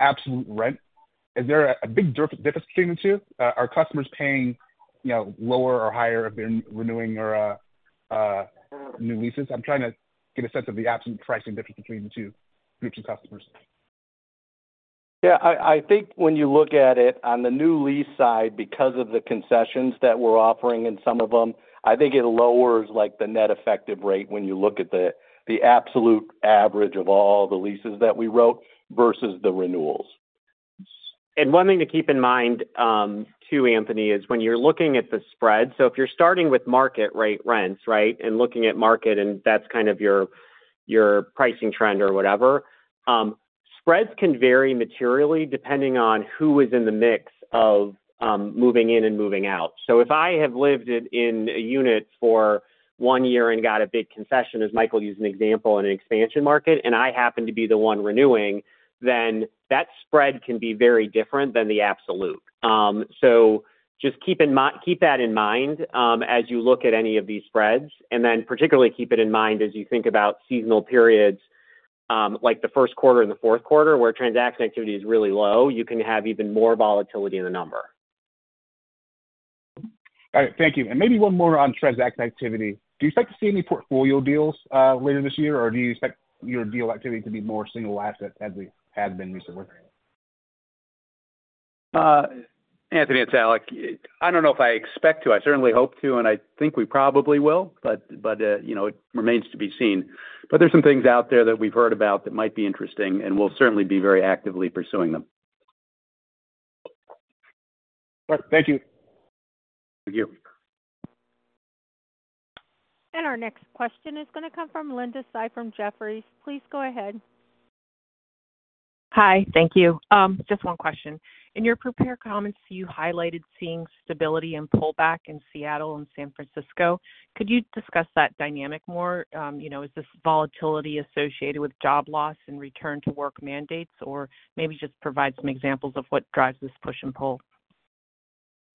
absolute rent, is there a big difference between the two? Are customers paying, you know, lower or higher if they're renewing or new leases? I'm trying to get a sense of the absolute pricing difference between the two groups of customers. Yeah, I think when you look at it on the new lease side, because of the concessions that we're offering in some of them, I think it lowers like the net effective rate when you look at the absolute average of all the leases that we wrote versus the renewals. One thing to keep in mind, too, Anthony, is when you're looking at the spread, so if you're starting with market rate rents, right? And looking at market, and that's kind of your pricing trend or whatever, spreads can vary materially depending on who is in the mix of moving in and moving out. So if I have lived in a unit for one year and got a big concession, as Michael used an example in an expansion market, and I happen to be the one renewing, then that spread can be very different than the absolute. Just keep in mind, keep that in mind, as you look at any of these spreads, and then particularly keep it in mind as you think about seasonal periods, like the first quarter and the fourth quarter, where transaction activity is really low. You can have even more volatility in the number. All right. Thank you. And maybe one more on transaction activity. Do you expect to see any portfolio deals later this year, or do you expect your deal activity to be more single asset as we have been recently? Anthony, it's Alec. I don't know if I expect to. I certainly hope to, and I think we probably will, but, you know, it remains to be seen. But there are some things out there that we've heard about that might be interesting, and we'll certainly be very actively pursuing them. All right. Thank you. Thank you. Our next question is going to come from Linda Tsai from Jefferies. Please go ahead. Hi, thank you. Just one question. In your prepared comments, you highlighted seeing stability and pullback in Seattle and San Francisco. Could you discuss that dynamic more? You know, is this volatility associated with job loss and return to work mandates, or maybe just provide some examples of what drives this push and pull?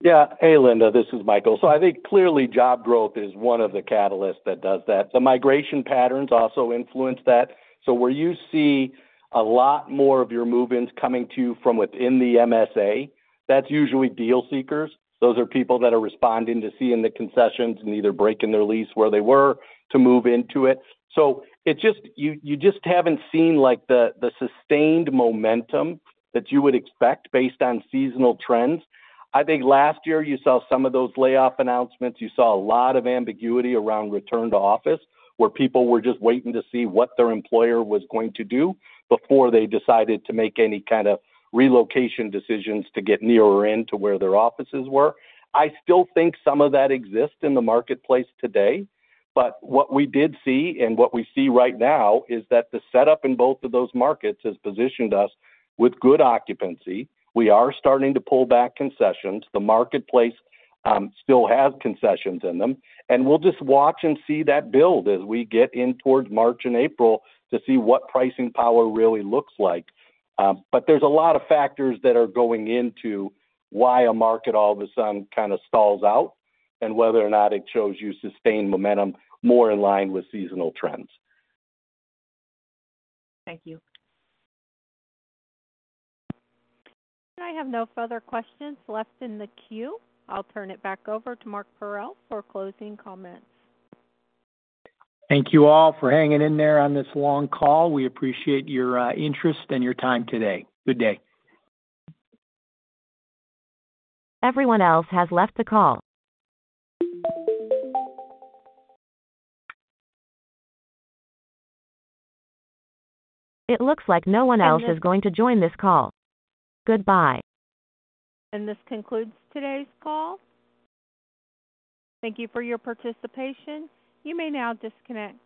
Yeah. Hey, Linda, this is Michael. So I think clearly job growth is one of the catalysts that does that. The migration patterns also influence that. So where you see a lot more of your move-ins coming to you from within the MSA, that's usually deal seekers. Those are people that are responding to seeing the concessions and either breaking their lease where they were to move into it. So it just... You just haven't seen, like, the sustained momentum that you would expect based on seasonal trends. I think last year you saw some of those layoff announcements. You saw a lot of ambiguity around return to office, where people were just waiting to see what their employer was going to do before they decided to make any kind of relocation decisions to get nearer in to where their offices were. I still think some of that exists in the marketplace today, but what we did see, and what we see right now, is that the setup in both of those markets has positioned us with good occupancy. We are starting to pull back concessions. The marketplace still has concessions in them, and we'll just watch and see that build as we get in towards March and April to see what pricing power really looks like. But there's a lot of factors that are going into why a market all of a sudden kind of stalls out and whether or not it shows you sustained momentum more in line with seasonal trends. Thank you. I have no further questions left in the queue. I'll turn it back over to Mark Parrell for closing comments. Thank you all for hanging in there on this long call. We appreciate your interest and your time today. Good day. This concludes today's call. Thank you for your participation. You may now disconnect.